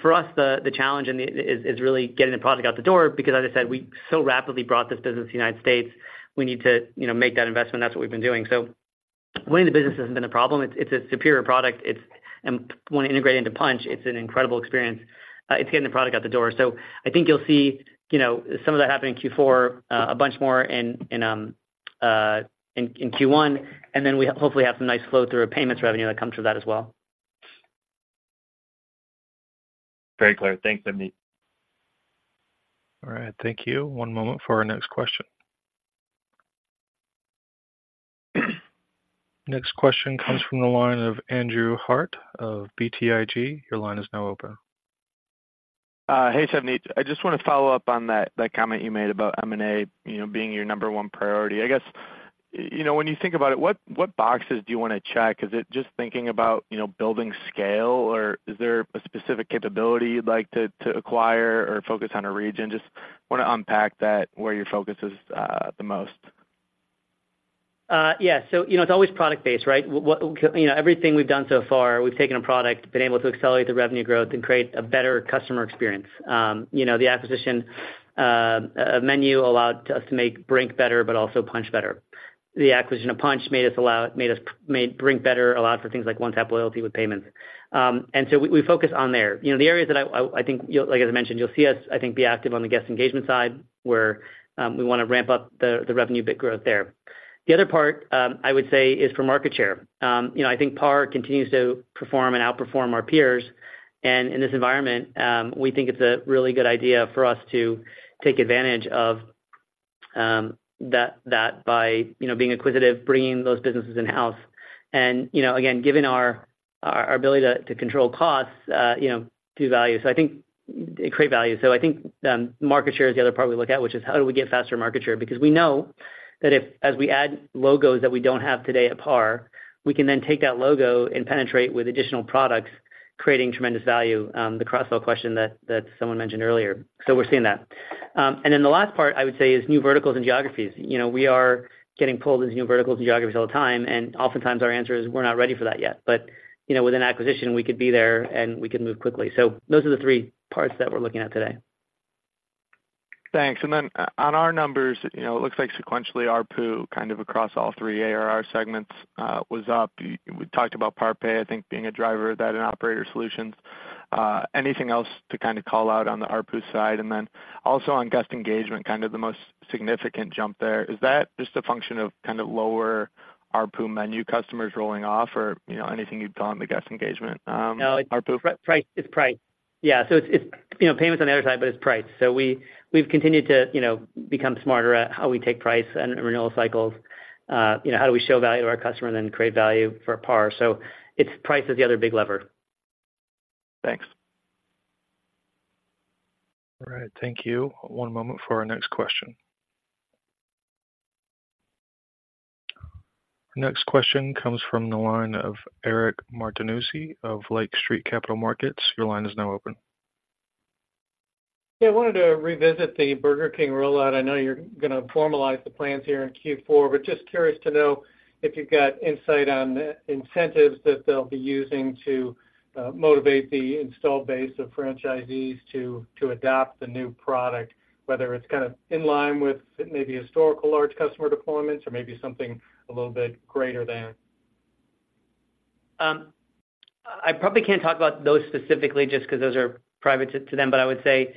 For us, the challenge is really getting the product out the door, because as I said, we so rapidly brought this business to the United States. We need to, you know, make that investment, and that's what we've been doing. So winning the business hasn't been a problem. It's a superior product. It's when you integrate into Punch, it's an incredible experience. It's getting the product out the door. So I think you'll see, you know, some of that happen in Q4, a bunch more in Q1, and then we hopefully have some nice flow-through of payments revenue that comes with that as well. Very clear. Thanks, Savneet. All right. Thank you. One moment for our next question. Next question comes from the line of Andrew Harte of BTIG. Your line is now open. Hey, Savneet. I just want to follow up on that, that comment you made about M&A, you know, being your number one priority. I guess, you know, when you think about it, what, what boxes do you want to check? Is it just thinking about, you know, building scale, or is there a specific capability you'd like to, to acquire or focus on a region? Just want to unpack that, where your focus is the most. Yeah. So, you know, it's always product-based, right? You know, everything we've done so far, we've taken a product, been able to accelerate the revenue growth and create a better customer experience. You know, the acquisition, Menu allowed us to make Brink better, but also Punch better. The acquisition of Punch made Brink better, allowed for things like One Tap Loyalty with payments. And so we focus on there. You know, the areas that I think, like, as I mentioned, you'll see us, I think, be active on the guest engagement side, where we want to ramp up the revenue bit growth there. The other part, I would say, is for market share. You know, I think PAR continues to perform and outperform our peers. And in this environment, we think it's a really good idea for us to take advantage of that by, you know, being acquisitive, bringing those businesses in-house. And, you know, again, given our ability to control costs, you know, to value. So I think... Create value. So I think, market share is the other part we look at, which is how do we get faster market share? Because we know that if, as we add logos that we don't have today at PAR, we can then take that logo and penetrate with additional products, creating tremendous value, the cross-sell question that someone mentioned earlier. So we're seeing that. And then the last part I would say is new verticals and geographies. You know, we are getting pulled into new verticals and geographies all the time, and oftentimes our answer is, "We're not ready for that yet." But, you know, with an acquisition, we could be there, and we can move quickly. So those are the three parts that we're looking at today. ... Thanks. And then on our numbers, you know, it looks like sequentially, ARPU, kind of across all three ARR segments, was up. We talked about PAR Pay, I think, being a driver of that in Operator Solutions. Anything else to kind of call out on the ARPU side? And then also on guest engagement, kind of the most significant jump there, is that just a function of kind of lower ARPU menu customers rolling off? Or, you know, anything you'd call on the guest engagement, ARPU? No, it's price. It's price. Yeah, so it's, you know, payments on the other side, but it's price. So we've continued to, you know, become smarter at how we take price and renewal cycles. You know, how do we show value to our customer and then create value for PAR? So it's price is the other big lever. Thanks. All right. Thank you. One moment for our next question. Next question comes from the line of Eric Martinuzzi of Lake Street Capital Markets. Your line is now open. Yeah, I wanted to revisit the Burger King rollout. I know you're gonna formalize the plans here in Q4, but just curious to know if you've got insight on the incentives that they'll be using to motivate the installed base of franchisees to adopt the new product, whether it's kind of in line with maybe historical large customer deployments or maybe something a little bit greater than? I probably can't talk about those specifically just 'cause those are private to them. But I would say,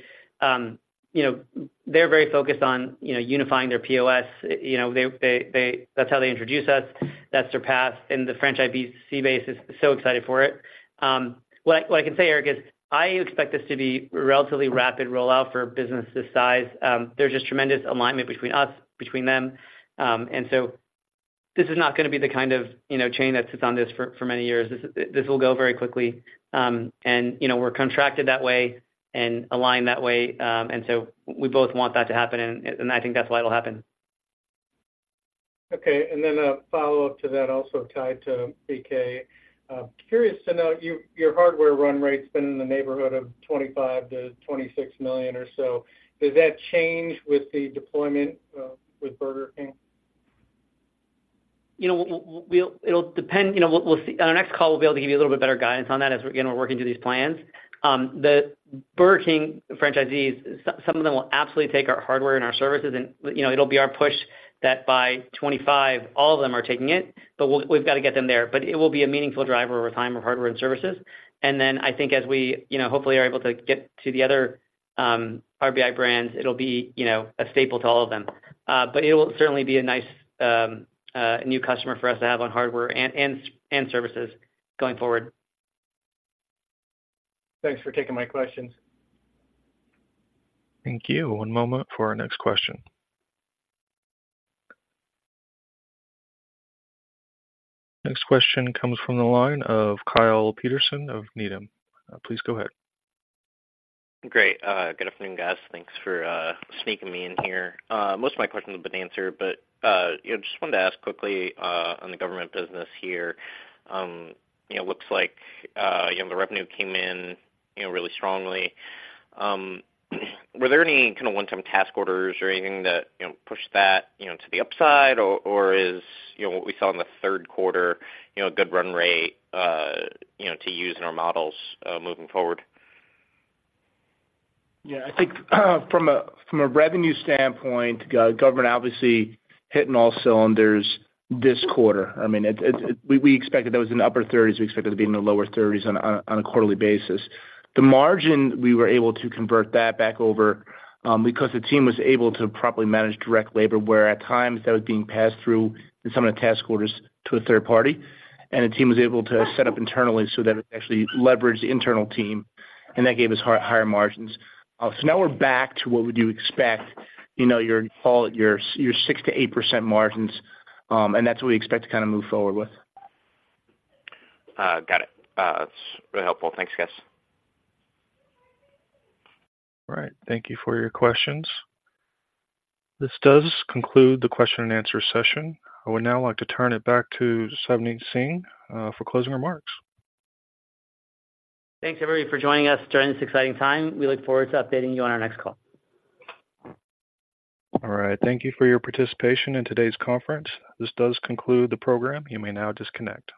you know, they're very focused on, you know, unifying their POS. You know, they, that's how they introduce us. That's their path, and the franchisee base is so excited for it. What I can say, Eric, is I expect this to be a relatively rapid rollout for a business this size. There's just tremendous alignment between us, between them. And so this is not gonna be the kind of, you know, chain that sits on this for many years. This will go very quickly. And, you know, we're contracted that way and aligned that way. And so we both want that to happen, and I think that's why it'll happen. Okay, and then a follow-up to that, also tied to BK. Curious to know, your hardware run rate's been in the neighborhood of $25 million-$26 million or so. Does that change with the deployment with Burger King? You know, we'll. It'll depend. You know, we'll, we'll see. On our next call, we'll be able to give you a little bit better guidance on that as, again, we're working through these plans. The Burger King franchisees, some of them will absolutely take our hardware and our services, and, you know, it'll be our push that by 2025, all of them are taking it, but we've got to get them there. But it will be a meaningful driver over time of hardware and services. And then I think as we, you know, hopefully are able to get to the other, RBI brands, it'll be, you know, a staple to all of them. But it will certainly be a nice, new customer for us to have on hardware and, and, and services going forward. Thanks for taking my questions. Thank you. One moment for our next question. Next question comes from the line of Kyle Peterson of Needham. Please go ahead. Great. Good afternoon, guys. Thanks for sneaking me in here. Most of my questions have been answered, but you know, just wanted to ask quickly on the government business here. You know, looks like you know, the revenue came in you know, really strongly. Were there any kind of one-time task orders or anything that you know, pushed that you know, to the upside? Or or is you know, what we saw in the third quarter you know, a good run rate you know, to use in our models moving forward? Yeah, I think, from a revenue standpoint, government obviously hitting all cylinders this quarter. I mean, we expected that was in the upper 30s. We expected it to be in the lower 30s on a quarterly basis. The margin, we were able to convert that back over, because the team was able to properly manage direct labor, where at times that was being passed through in some of the task orders to a third party. And the team was able to set up internally so that it actually leveraged the internal team, and that gave us higher margins. So now we're back to what would you expect, you know, you'd call it, your 6%-8% margins, and that's what we expect to kind of move forward with. Got it. That's really helpful. Thanks, guys. All right. Thank you for your questions. This does conclude the question and answer session. I would now like to turn it back to Savneet Singh for closing remarks. Thanks, everybody, for joining us during this exciting time. We look forward to updating you on our next call. All right. Thank you for your participation in today's conference. This does conclude the program. You may now disconnect.